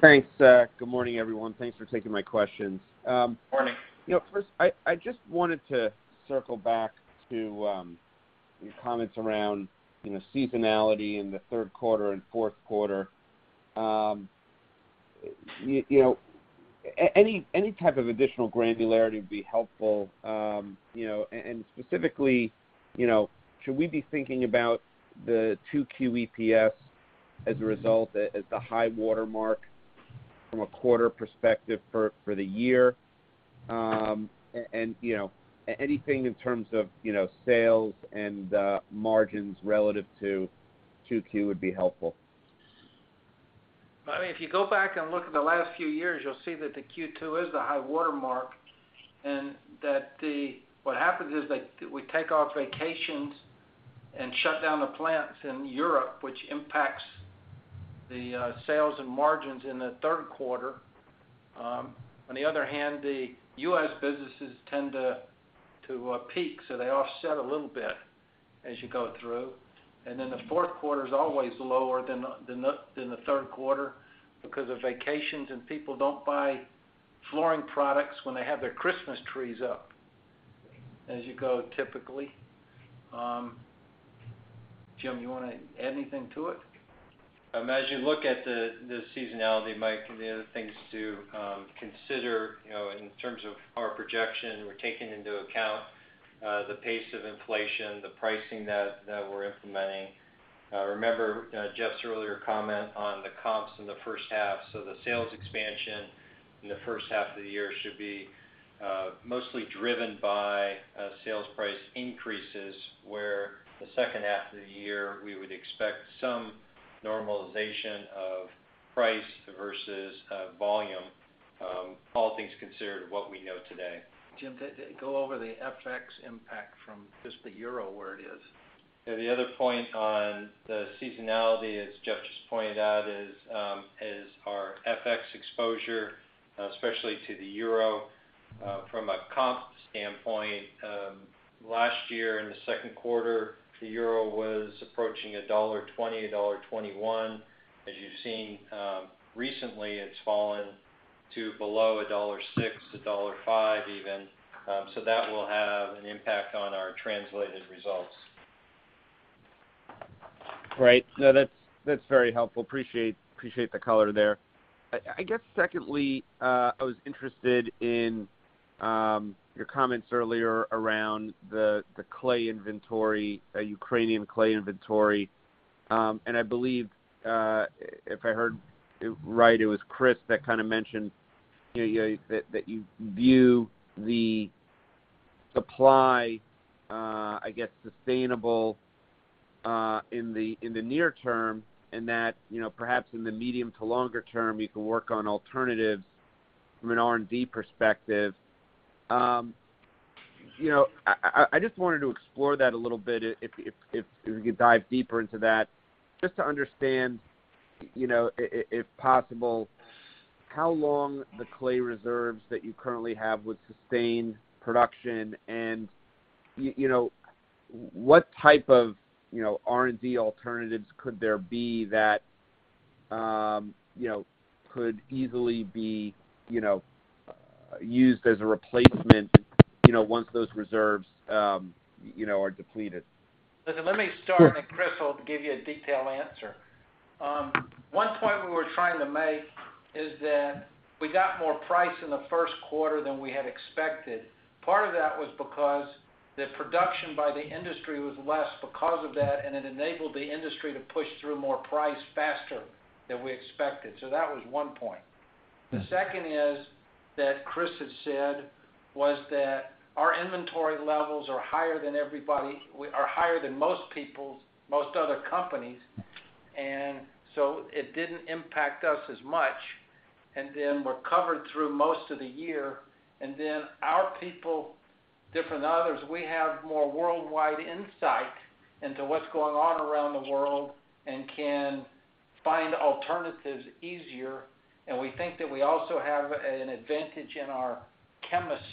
Thanks. Good morning, everyone. Thanks for taking my questions. Morning. You know, first, I just wanted to circle back to your comments around, you know, seasonality in the third quarter and fourth quarter. You know, any type of additional granularity would be helpful, you know. Specifically, you know, should we be thinking about the 2Q EPS as a result, as the high watermark from a quarter perspective for the year? You know, anything in terms of, you know, sales and margins relative to 2Q would be helpful. I mean, if you go back and look at the last few years, you'll see that the Q2 is the high watermark, and that what happens is that we take our vacations and shut down the plants in Europe, which impacts the sales and margins in the third quarter. On the other hand, the U.S. businesses tend to peak, so they offset a little bit as you go through. The fourth quarter is always lower than the third quarter because of vacations, and people don't buy flooring products when they have their Christmas trees up as you go, typically. Jim, you wanna add anything to it? As you look at the seasonality, Mike, and the other things to consider, you know, in terms of our projection, we're taking into account the pace of inflation, the pricing that we're implementing. Remember Jeff's earlier comment on the comps in the first half. The sales expansion in the first half of the year should be mostly driven by sales price increases, where the second half of the year, we would expect some normalization of price versus volume, all things considered what we know today. Jim, go over the FX impact from just the Euro, where it is. Yeah. The other point on the seasonality, as Jeff just pointed out, is our FX exposure, especially to the Euro, from a comp standpoint. Last year in the second quarter, the Euro was approaching $1.20, $1.21. As you've seen, recently, it's fallen to below $1.06, $1.05 even. So that will have an impact on our translated results. Right. No, that's very helpful. Appreciate the color there. I guess secondly, I was interested in your comments earlier around the clay inventory, the Ukrainian clay inventory. I believe, if I heard it right, it was Chris that kinda mentioned, you know, that you view the supply, I guess, sustainable, in the near term, and that, you know, perhaps in the medium to longer-term, you can work on alternatives from an R&D perspective. You know, I just wanted to explore that a little bit if you could dive deeper into that, just to understand, you know, if possible, how long the clay reserves that you currently have would sustain production and you know, what type of, you know, R&D alternatives could there be that, you know, could easily be, you know, used as a replacement, you know, once those reserves, you know, are depleted? Let me start, and Chris will give you a detailed answer. One point we were trying to make is that we got more price in the first quarter than we had expected. Part of that was because the production by the industry was less because of that, and it enabled the industry to push through more price faster than we expected. That was one point. The second is that Chris had said was that our inventory levels are higher than most people's, most other companies, and so it didn't impact us as much. Then we're covered through most of the year, and then our people, different than others, we have more worldwide insight into what's going on around the world and can find alternatives easier. We think that we also have an advantage in our chemists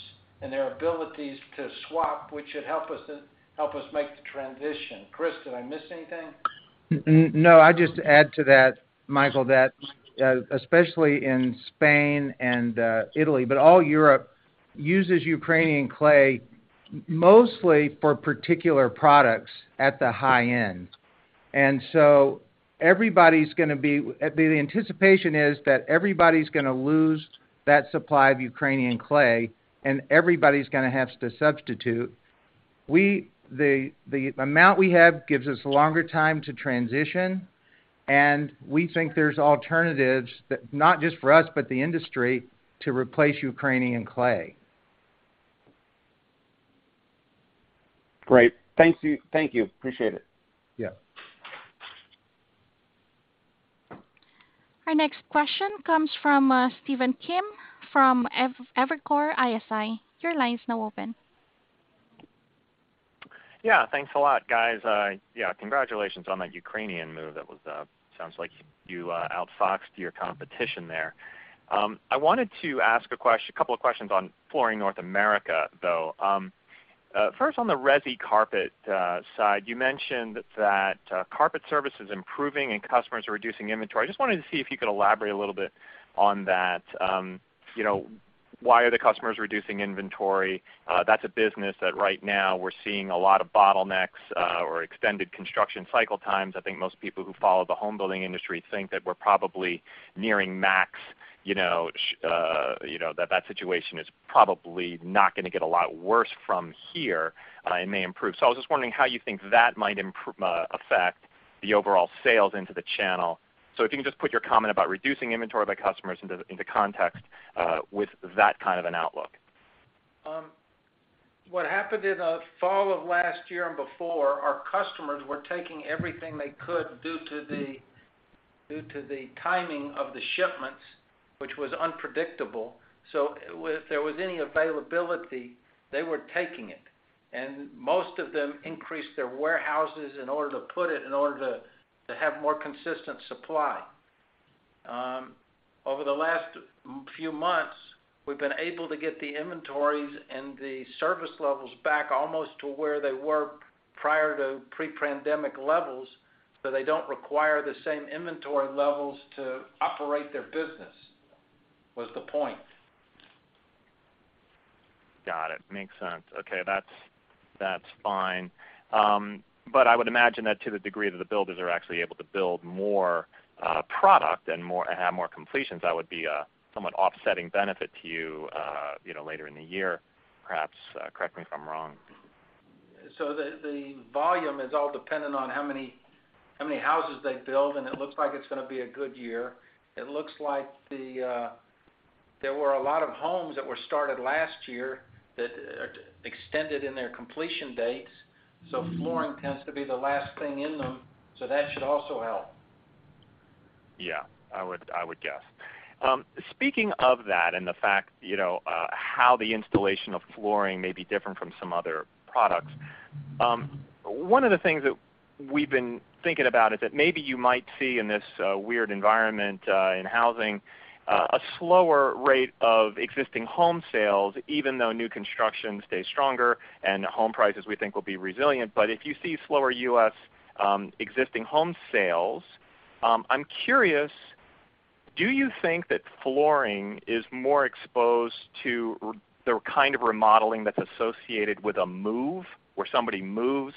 and their abilities to swap, which should help us make the transition. Chris, did I miss anything? No, I'd just add to that, Michael, that especially in Spain and Italy, but all Europe uses Ukrainian clay mostly for particular products at the high end. The anticipation is that everybody's gonna lose that supply of Ukrainian clay, and everybody's gonna have to substitute. The amount we have gives us longer time to transition, and we think there's alternatives that not just for us, but the industry to replace Ukrainian clay. Great. Thank you. Appreciate it. Yeah. Our next question comes from Stephen Kim from Evercore ISI. Your line is now open. Yeah. Thanks a lot, guys. Yeah, congratulations on that Ukrainian move. That was, sounds like you outfoxed your competition there. I wanted to ask a couple of questions on Flooring North America, though. First on the resi carpet side, you mentioned that carpet service is improving and customers are reducing inventory. I just wanted to see if you could elaborate a little bit on that. You know, why are the customers reducing inventory? That's a business that right now we're seeing a lot of bottlenecks or extended construction cycle times. I think most people who follow the home building industry think that we're probably nearing max, you know, that situation is probably not gonna get a lot worse from here, it may improve. I was just wondering how you think that might affect the overall sales into the channel. If you can just put your comment about reducing inventory by customers into context with that kind of an outlook. What happened in fall of last year and before, our customers were taking everything they could due to the timing of the shipments, which was unpredictable. If there was any availability, they were taking it, and most of them increased their warehouses in order to have more consistent supply. Over the last few months, we've been able to get the inventories and the service levels back almost to where they were prior to pre-pandemic levels, so they don't require the same inventory levels to operate their business, was the point. Got it. Makes sense. Okay, that's fine. But I would imagine that to the degree that the builders are actually able to build more product and have more completions, that would be a somewhat offsetting benefit to you know, later in the year, perhaps. Correct me if I'm wrong. The volume is all dependent on how many houses they build, and it looks like it's gonna be a good year. It looks like there were a lot of homes that were started last year that are extended in their completion dates, so flooring tends to be the last thing in them, so that should also help. Yeah, I would guess. Speaking of that and the fact, you know, how the installation of flooring may be different from some other products, one of the things that we've been thinking about is that maybe you might see in this weird environment in housing a slower rate of existing home sales, even though new construction stays stronger and home prices, we think, will be resilient. But if you see slower U.S. existing home sales, I'm curious, do you think that flooring is more exposed to the kind of remodeling that's associated with a move, where somebody moves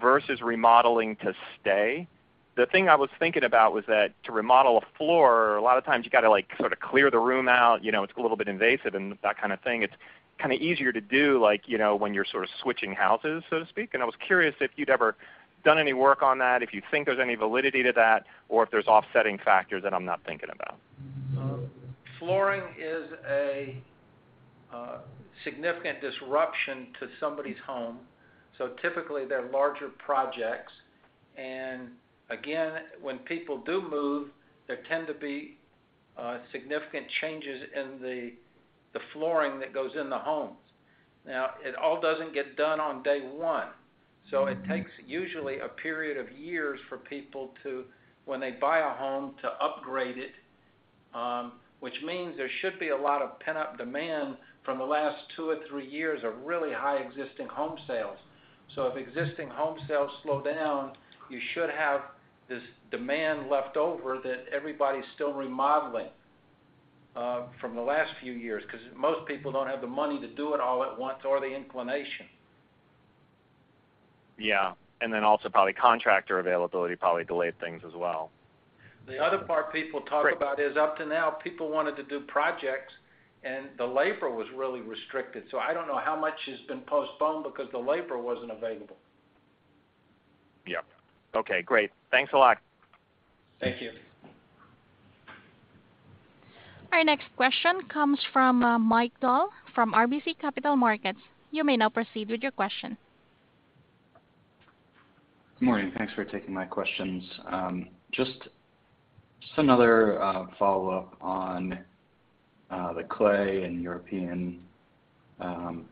versus remodeling to stay? The thing I was thinking about was that to remodel a floor, a lot of times you gotta, like, sort of clear the room out, you know, it's a little bit invasive and that kind of thing. It's kinda easier to do, like, you know, when you're sort of switching houses, so to speak. I was curious if you'd ever done any work on that, if you think there's any validity to that, or if there's offsetting factors that I'm not thinking about. Flooring is a significant disruption to somebody's home, so typically they're larger projects. Again, when people do move, there tend to be significant changes in the flooring that goes in the homes. Now, it all doesn't get done on day one, so it takes usually a period of years for people to, when they buy a home, to upgrade it, which means there should be a lot of pent-up demand from the last two or three years of really high existing home sales. If existing home sales slow down, you should have this demand left over that everybody's still remodeling from the last few years, because most people don't have the money to do it all at once or the inclination. Yeah. Also probably contractor availability delayed things as well. The other part people talk about is up to now, people wanted to do projects and the labor was really restricted, so I don't know how much has been postponed because the labor wasn't available. Yep. Okay, great. Thanks a lot. Thank you. Our next question comes from, Mike Dahl from RBC Capital Markets. You may now proceed with your question. Good morning. Thanks for taking my questions. Just another follow-up on the clay and European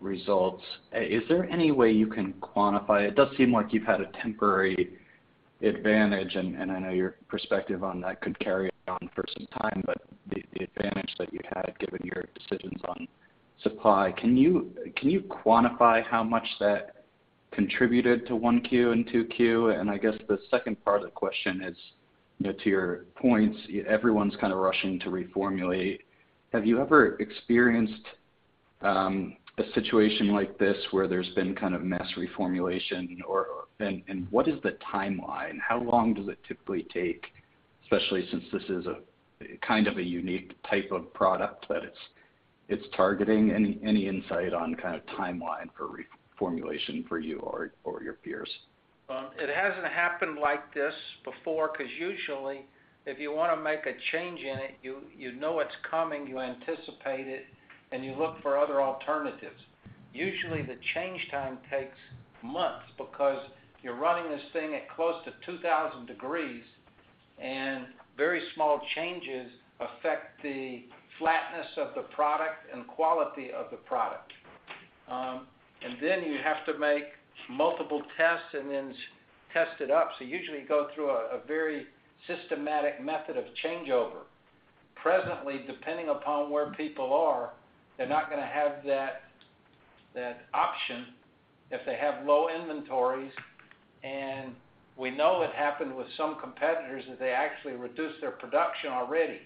results. Is there any way you can quantify it? It does seem like you've had a temporary advantage, and I know your perspective on that could carry on for some time, but the advantage that you had given your decisions on supply, can you quantify how much that contributed to 1Q and 2Q? I guess the second part of the question is, you know, to your points, everyone's kind of rushing to reformulate. Have you ever experienced a situation like this where there's been kind of mass reformulation and what is the timeline? How long does it typically take, especially since this is a kind of a unique type of product that it's targeting? Any insight on kind of timeline for reformulation for you or your peers? Well, it hasn't happened like this before, because usually, if you wanna make a change in it, you know it's coming, you anticipate it, and you look for other alternatives. Usually, the change time takes months because you're running this thing at close to 2,000 degrees, and very small changes affect the flatness of the product and quality of the product. Then you have to make multiple tests and then test it up. Usually, you go through a very systematic method of changeover. Presently, depending upon where people are, they're not gonna have that option if they have low inventories. We know it happened with some competitors that they actually reduced their production already.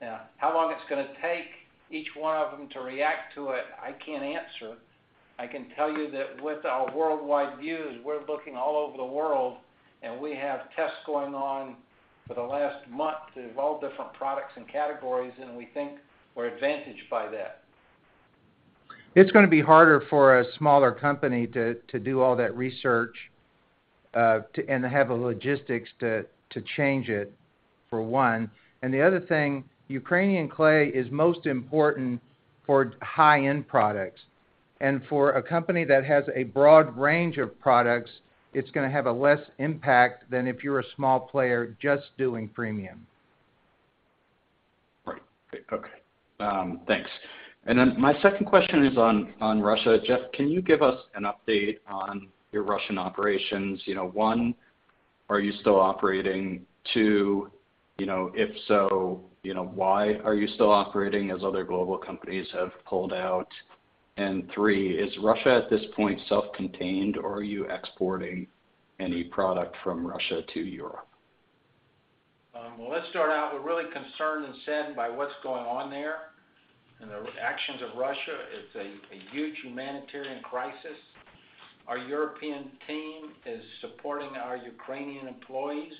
Now, how long it's gonna take each one of them to react to it, I can't answer. I can tell you that with our worldwide views, we're looking all over the world, and we have tests going on for the last month of all different products and categories, and we think we're advantaged by that. It's gonna be harder for a smaller company to do all that research, and have the logistics to change it, for one. The other thing, Ukrainian clay is most important for high-end products. For a company that has a broad range of products, it's gonna have a less impact than if you're a small player just doing premium. Right. Okay. Thanks. My second question is on Russia. Jeff, can you give us an update on your Russian operations? You know, one, are you still operating? Two, you know, if so, you know, why are you still operating as other global companies have pulled out? Three, is Russia at this point self-contained, or are you exporting any product from Russia to Europe? Well, let's start out, we're really concerned and saddened by what's going on there and the actions of Russia. It's a huge humanitarian crisis. Our European team is supporting our Ukrainian employees.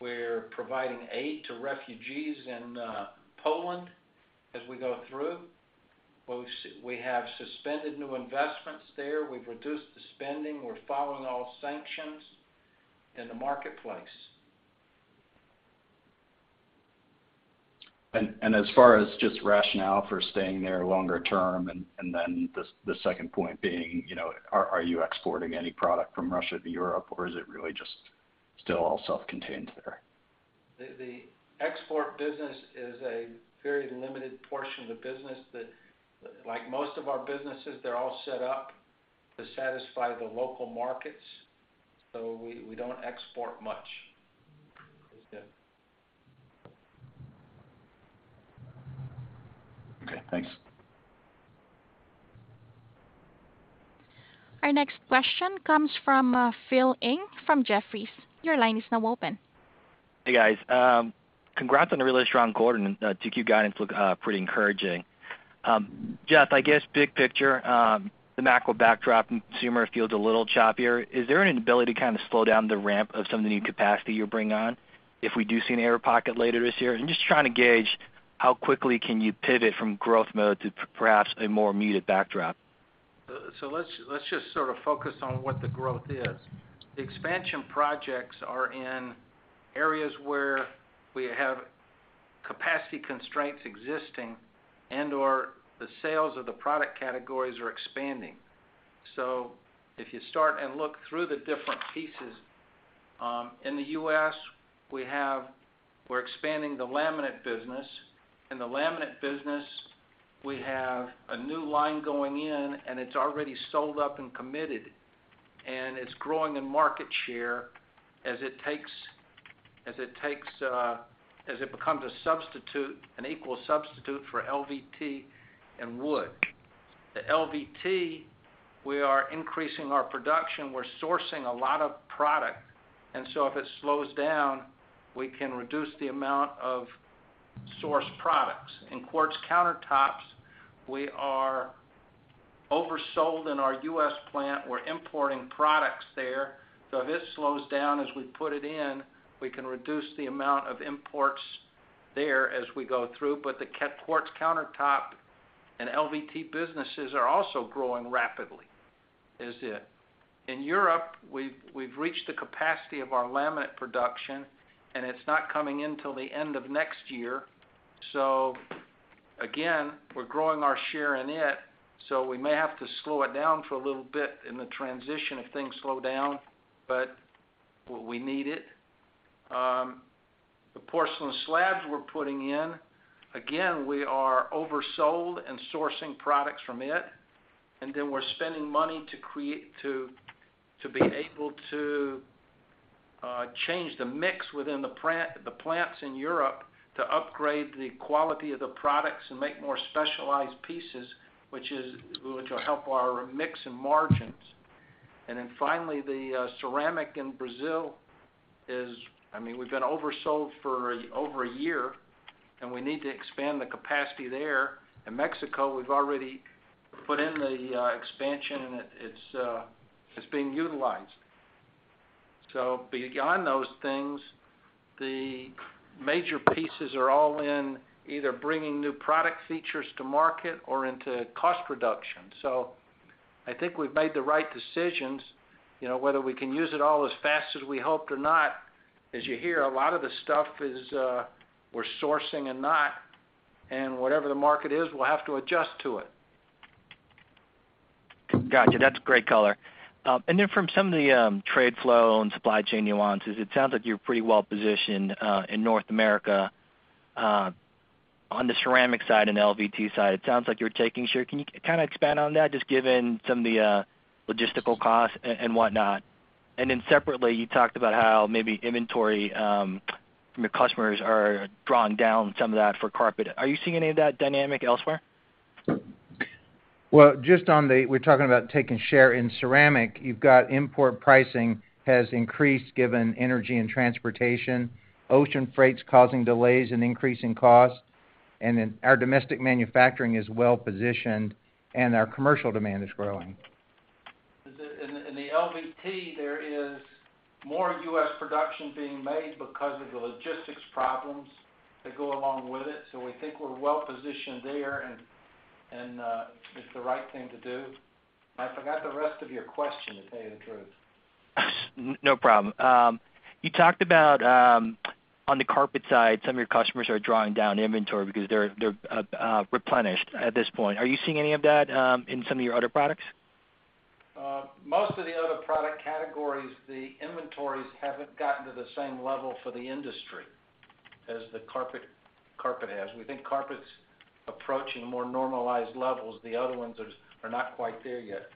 We're providing aid to refugees in Poland as we go through. We have suspended new investments there. We've reduced the spending. We're following all sanctions in the marketplace. As far as just rationale for staying there longer-term, and then the second point being, you know, are you exporting any product from Russia to Europe, or is it really just still all self-contained there? The export business is a very limited portion of the business. Like most of our businesses, they're all set up to satisfy the local markets, so we don't export much. That's it. Okay, thanks. Our next question comes from Phil Ng from Jefferies. Your line is now open. Hey, guys. Congrats on a really strong quarter, and 2Q guidance looks pretty encouraging. Jeff, I guess big picture, the macro backdrop and consumer feels a little choppier. Is there an ability to kind of slow down the ramp of some of the new capacity you'll bring on if we do see an air pocket later this year? I'm just trying to gauge how quickly can you pivot from growth mode to perhaps a more muted backdrop. Let's just sort of focus on what the growth is. The expansion projects are in areas where we have capacity constraints existing and/or the sales of the product categories are expanding. If you start and look through the different pieces, in the U.S., we're expanding the laminate business. In the laminate business, we have a new line going in, and it's already sold up and committed, and it's growing in market share as it takes as it becomes a substitute, an equal substitute for LVT and wood. The LVT, we are increasing our production. We're sourcing a lot of product, and so if it slows down, we can reduce the amount of sourced products. In quartz countertops, we are oversold in our U.S. plant. We're importing products there. If this slows down as we put it in, we can reduce the amount of imports there as we go through. The quartz countertop and LVT businesses are also growing rapidly, isn't it. In Europe, we've reached the capacity of our laminate production, and it's not coming in till the end of next year. We're growing our share in it, so we may have to slow it down for a little bit in the transition if things slow down, but we need it. The porcelain slabs we're putting in, again, we are oversold and sourcing products from it, and then we're spending money to be able to change the mix within the plants in Europe to upgrade the quality of the products and make more specialized pieces, which will help our mix and margins. Finally, the ceramic in Brazil is, I mean, we've been oversold for over a year, and we need to expand the capacity there. In Mexico, we've already put in the expansion, and it's being utilized. Beyond those things, the major pieces are all in either bringing new product features to market or into cost reduction. I think we've made the right decisions. You know, whether we can use it all as fast as we hoped or not, as you hear, a lot of the stuff is, we're sourcing and not, and whatever the market is, we'll have to adjust to it. Got you. That's great color. From some of the trade flow and supply chain nuances, it sounds like you're pretty well positioned in North America on the ceramic side and LVT side. It sounds like you're taking share. Can you kinda expand on that, just given some of the logistical costs and whatnot? Then separately, you talked about how maybe inventory from your customers are drawing down some of that for carpet. Are you seeing any of that dynamic elsewhere? Well, just on the, we're talking about taking share in ceramic. You've got import pricing has increased given energy and transportation, ocean freights causing delays and increasing costs. Then our domestic manufacturing is well positioned, and our commercial demand is growing. The LVT, there is more U.S. production being made because of the logistics problems that go along with it, so we think we're well positioned there, and it's the right thing to do. I forgot the rest of your question, to tell you the truth. No problem. You talked about, on the carpet side, some of your customers are drawing down inventory because they're replenished at this point. Are you seeing any of that, in some of your other products? Most of the other product categories, the inventories haven't gotten to the same level for the industry as the carpet has. We think carpet's approaching more normalized levels. The other ones are not quite there yet.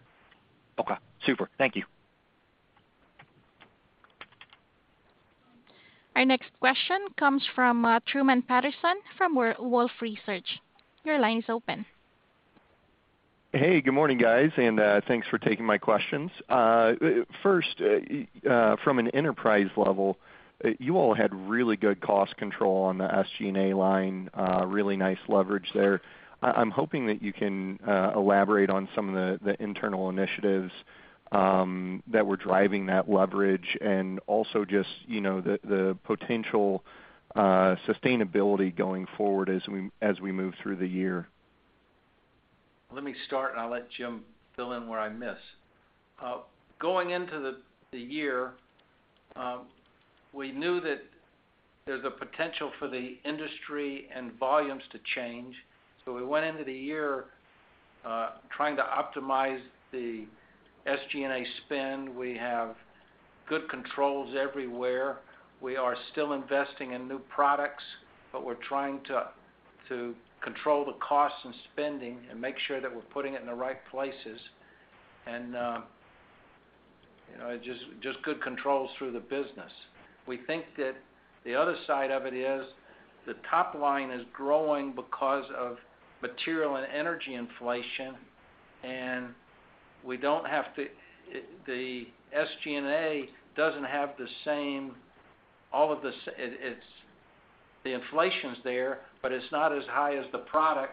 Okay, super. Thank you. Our next question comes from Truman Patterson from Wolfe Research. Your line is open. Hey, good morning, guys, and thanks for taking my questions. First, from an enterprise level, you all had really good cost control on the SG&A line, really nice leverage there. I'm hoping that you can elaborate on some of the internal initiatives that were driving that leverage and also just, you know, the potential sustainability going forward as we move through the year. Let me start, and I'll let Jim fill in where I miss. Going into the year, we knew that there's a potential for the industry and volumes to change, so we went into the year, trying to optimize the SG&A spend. We have good controls everywhere. We are still investing in new products, but we're trying to control the costs and spending and make sure that we're putting it in the right places. You know, just good controls through the business. We think that the other side of it is the top line is growing because of material and energy inflation, and the SG&A doesn't have the same, all of the same, it's the inflation's there, but it's not as high as the product.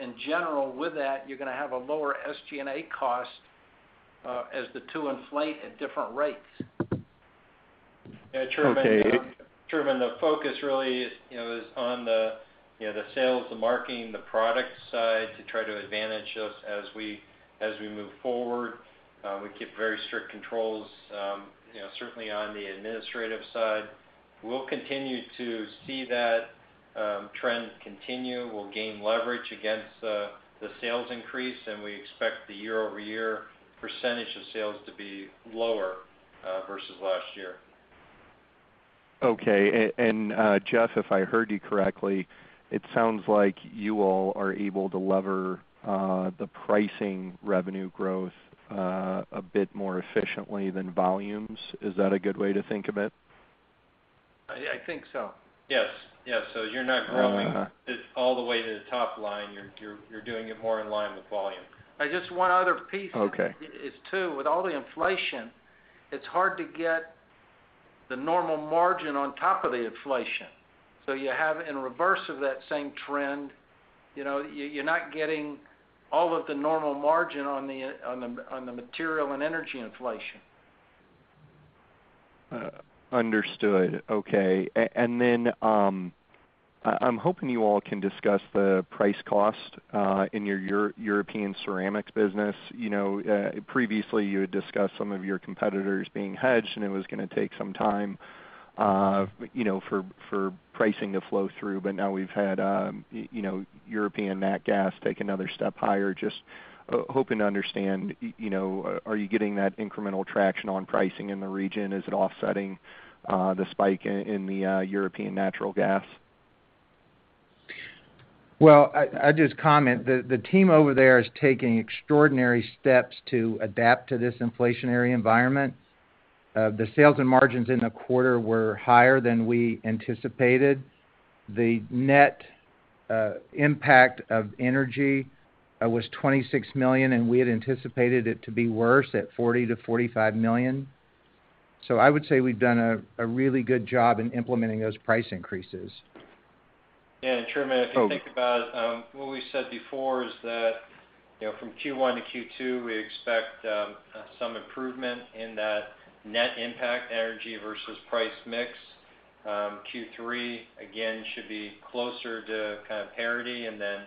In general, with that, you're gonna have a lower SG&A cost, as the two inflate at different rates. Yeah, Truman. Okay. Truman, the focus really is, you know, on the sales, the marketing, the product side to try to advantage us as we move forward. We keep very strict controls, you know, certainly on the administrative side. We'll continue to see that trend continue. We'll gain leverage against the sales increase, and we expect the year-over-year percentage of sales to be lower versus last year. Okay. Jeff, if I heard you correctly, it sounds like you all are able to leverage the pricing revenue growth a bit more efficiently than volumes. Is that a good way to think of it? I think so. Yes. You're not growing- Uh-huh. It all the way to the top line. You're doing it more in line with volume. Just one other piece. Okay. is too, with all the inflation, it's hard to get the normal margin on top of the inflation. You have in reverse of that same trend, you know, you're not getting all of the normal margin on the material and energy inflation. Understood. Okay. Then, I'm hoping you all can discuss the price-cost in your European ceramics business. You know, previously, you had discussed some of your competitors being hedged, and it was gonna take some time, you know, for pricing to flow through. But now we've had, you know, European nat gas take another step higher. Just hoping to understand, you know, are you getting that incremental traction on pricing in the region? Is it offsetting the spike in the European natural gas? Well, I'll just comment. The team over there is taking extraordinary steps to adapt to this inflationary environment. The sales and margins in the quarter were higher than we anticipated. The net impact of energy was $26 million, and we had anticipated it to be worse at $40-$45 million. I would say we've done a really good job in implementing those price increases. Yeah, Truman. Oh. If you think about it, what we said before is that, you know, from Q1- Q2, we expect some improvement in that net impact energy versus price mix. Q3, again, should be closer to kind of parity, and then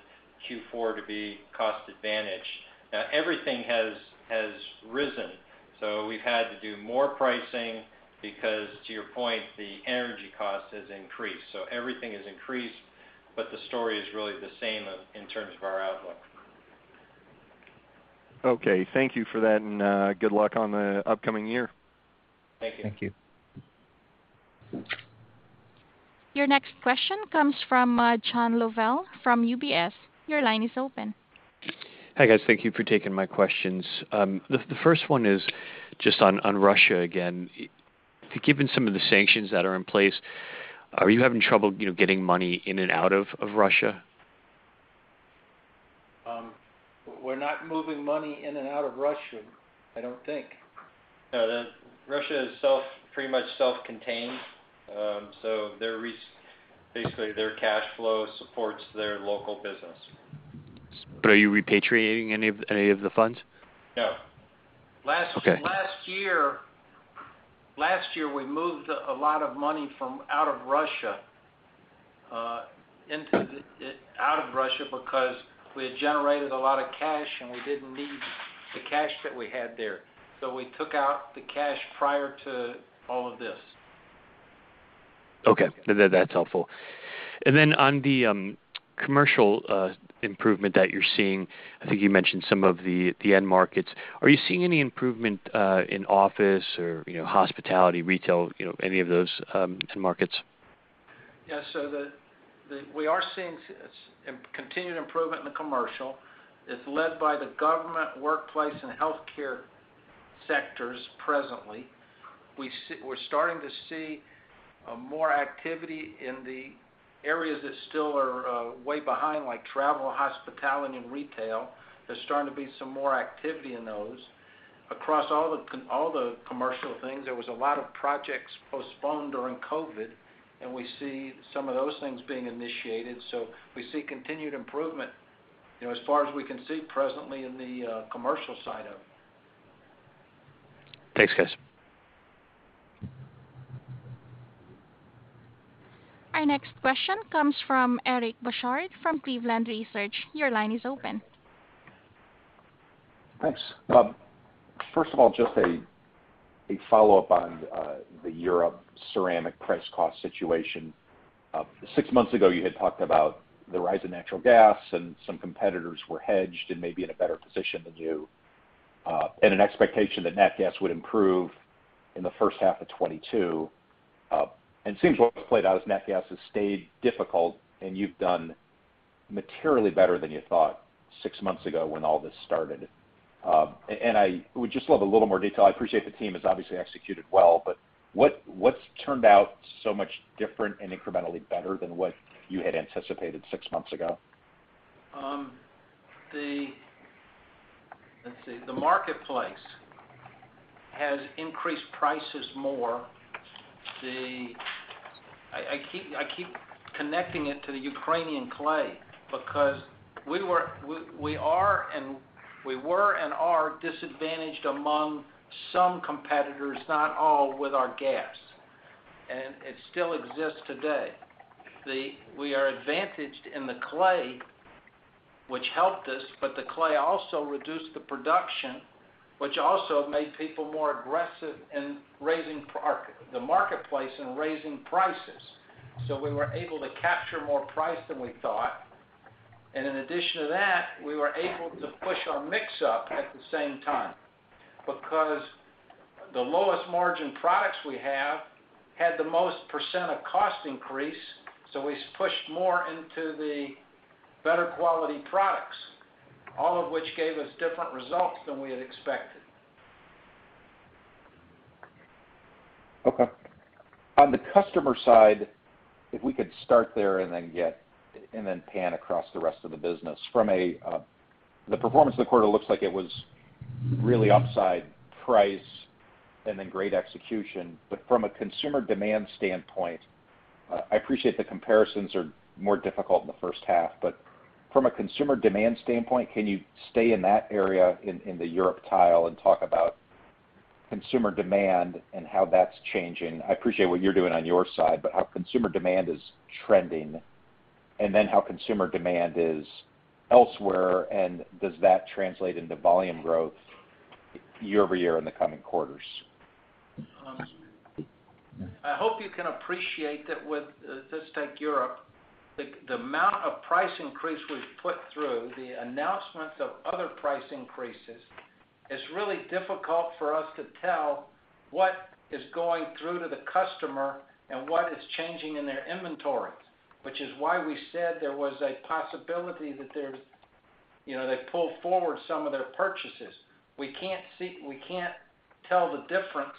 Q4 to be cost advantage. Now, everything has risen, so we've had to do more pricing because, to your point, the energy cost has increased. So everything has increased, but the story is really the same in terms of our outlook. Okay. Thank you for that, and good luck on the upcoming year. Thank you. Thank you. Your next question comes from John Lovallo from UBS. Your line is open. Hi, guys. Thank you for taking my questions. The first one is just on Russia again. Given some of the sanctions that are in place, are you having trouble, you know, getting money in and out of Russia? We're not moving money in and out of Russia, I don't think. No. Russia is pretty much self-contained. Basically, their cash flow supports their local business. Are you repatriating any of the funds? No. Okay. Last year, we moved a lot of money out of Russia because we had generated a lot of cash, and we didn't need the cash that we had there. We took out the cash prior to all of this. Okay. That's helpful. On the commercial improvement that you're seeing, I think you mentioned some of the end markets. Are you seeing any improvement in office or, you know, hospitality, retail, you know, any of those end markets? Yeah. We are seeing continued improvement in the commercial. It's led by the government, workplace, and healthcare sectors presently. We're starting to see more activity in the areas that still are way behind, like travel, hospitality, and retail. There's starting to be some more activity in those. Across all the commercial things, there was a lot of projects postponed during COVID, and we see some of those things being initiated. We see continued improvement, you know, as far as we can see presently in the commercial side of it. Thanks, guys. Our next question comes from Eric Bosshard from Cleveland Research. Your line is open. Thanks. First of all, just a follow-up on the Europe ceramic price cost situation. Six months ago, you had talked about the rise in natural gas, and some competitors were hedged and maybe in a better position than you, and an expectation that nat gas would improve in the first half of 2022. It seems what has played out is nat gas has stayed difficult, and you've done materially better than you thought six months ago when all this started. I would just love a little more detail. I appreciate the team has obviously executed well, but what's turned out so much different and incrementally better than what you had anticipated six months ago? The marketplace has increased prices. I keep connecting it to the Ukrainian clay because we were and are disadvantaged among some competitors, not all, with our gas, and it still exists today. We are advantaged in the clay, which helped us, but the clay also reduced the production, which also made people more aggressive in raising prices in the marketplace. We were able to capture more price than we thought. In addition to that, we were able to push our mix up at the same time because the lowest margin products we have had the most percent of cost increase, so we pushed more into the better quality products, all of which gave us different results than we had expected. Okay. On the customer side, if we could start there and then pan across the rest of the business. From a, the performance of the quarter looks like it was really upside price and then great execution. From a consumer demand standpoint, I appreciate the comparisons are more difficult in the first half, but from a consumer demand standpoint, can you stay in that area in the Europe tile and talk about consumer demand and how that's changing? I appreciate what you're doing on your side, but how consumer demand is trending, and then how consumer demand is elsewhere, and does that translate into volume growth year-over-year in the coming quarters? I hope you can appreciate that with this take Europe, the amount of price increase we've put through, the announcements of other price increases, it's really difficult for us to tell what is going through to the customer and what is changing in their inventories. Which is why we said there was a possibility that there's, you know, they pulled forward some of their purchases. We can't tell the difference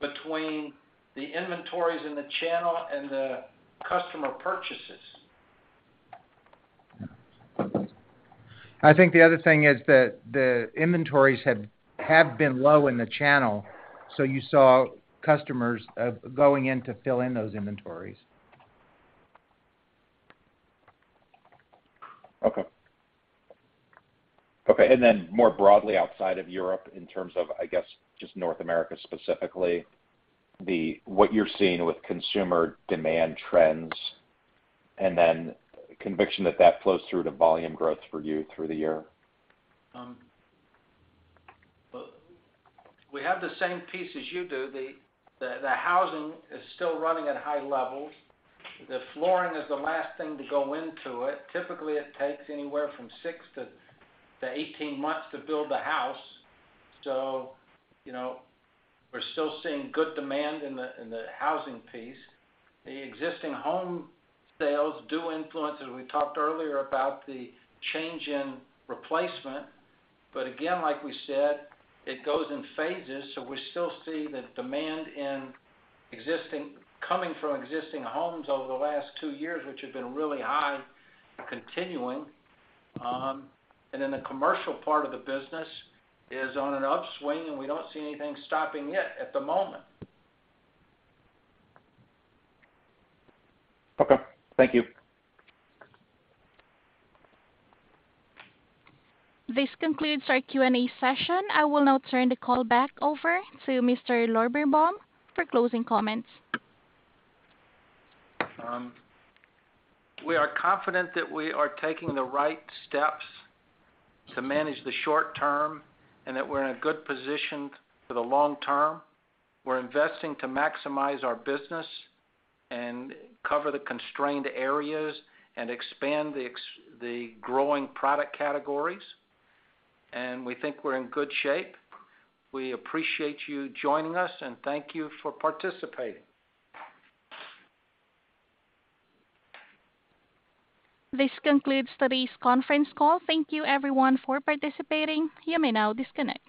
between the inventories in the channel and the customer purchases. I think the other thing is that the inventories have been low in the channel, so you saw customers going in to fill in those inventories. Okay. More broadly outside of Europe in terms of, I guess, just North America specifically, what you're seeing with consumer demand trends, and then conviction that that flows through to volume growth for you through the year? We have the same piece as you do. The housing is still running at high levels. The flooring is the last thing to go into it. Typically, it takes anywhere from 6-18 months to build the house. You know, we're still seeing good demand in the housing piece. The existing home sales do influence, as we talked earlier, about the change in replacement. But again, like we said, it goes in phases, so we still see the demand coming from existing homes over the last 2 years, which have been really high, continuing. The commercial part of the business is on an upswing, and we don't see anything stopping it at the moment. Okay. Thank you. This concludes our Q&A session. I will now turn the call back over to Mr. Lorberbaum for closing comments. We are confident that we are taking the right steps to manage the short-term and that we're in a good position for the long-term. We're investing to maximize our business and cover the constrained areas and expand the growing product categories. We think we're in good shape. We appreciate you joining us, and thank you for participating. This concludes today's conference call. Thank you everyone for participating. You may now disconnect.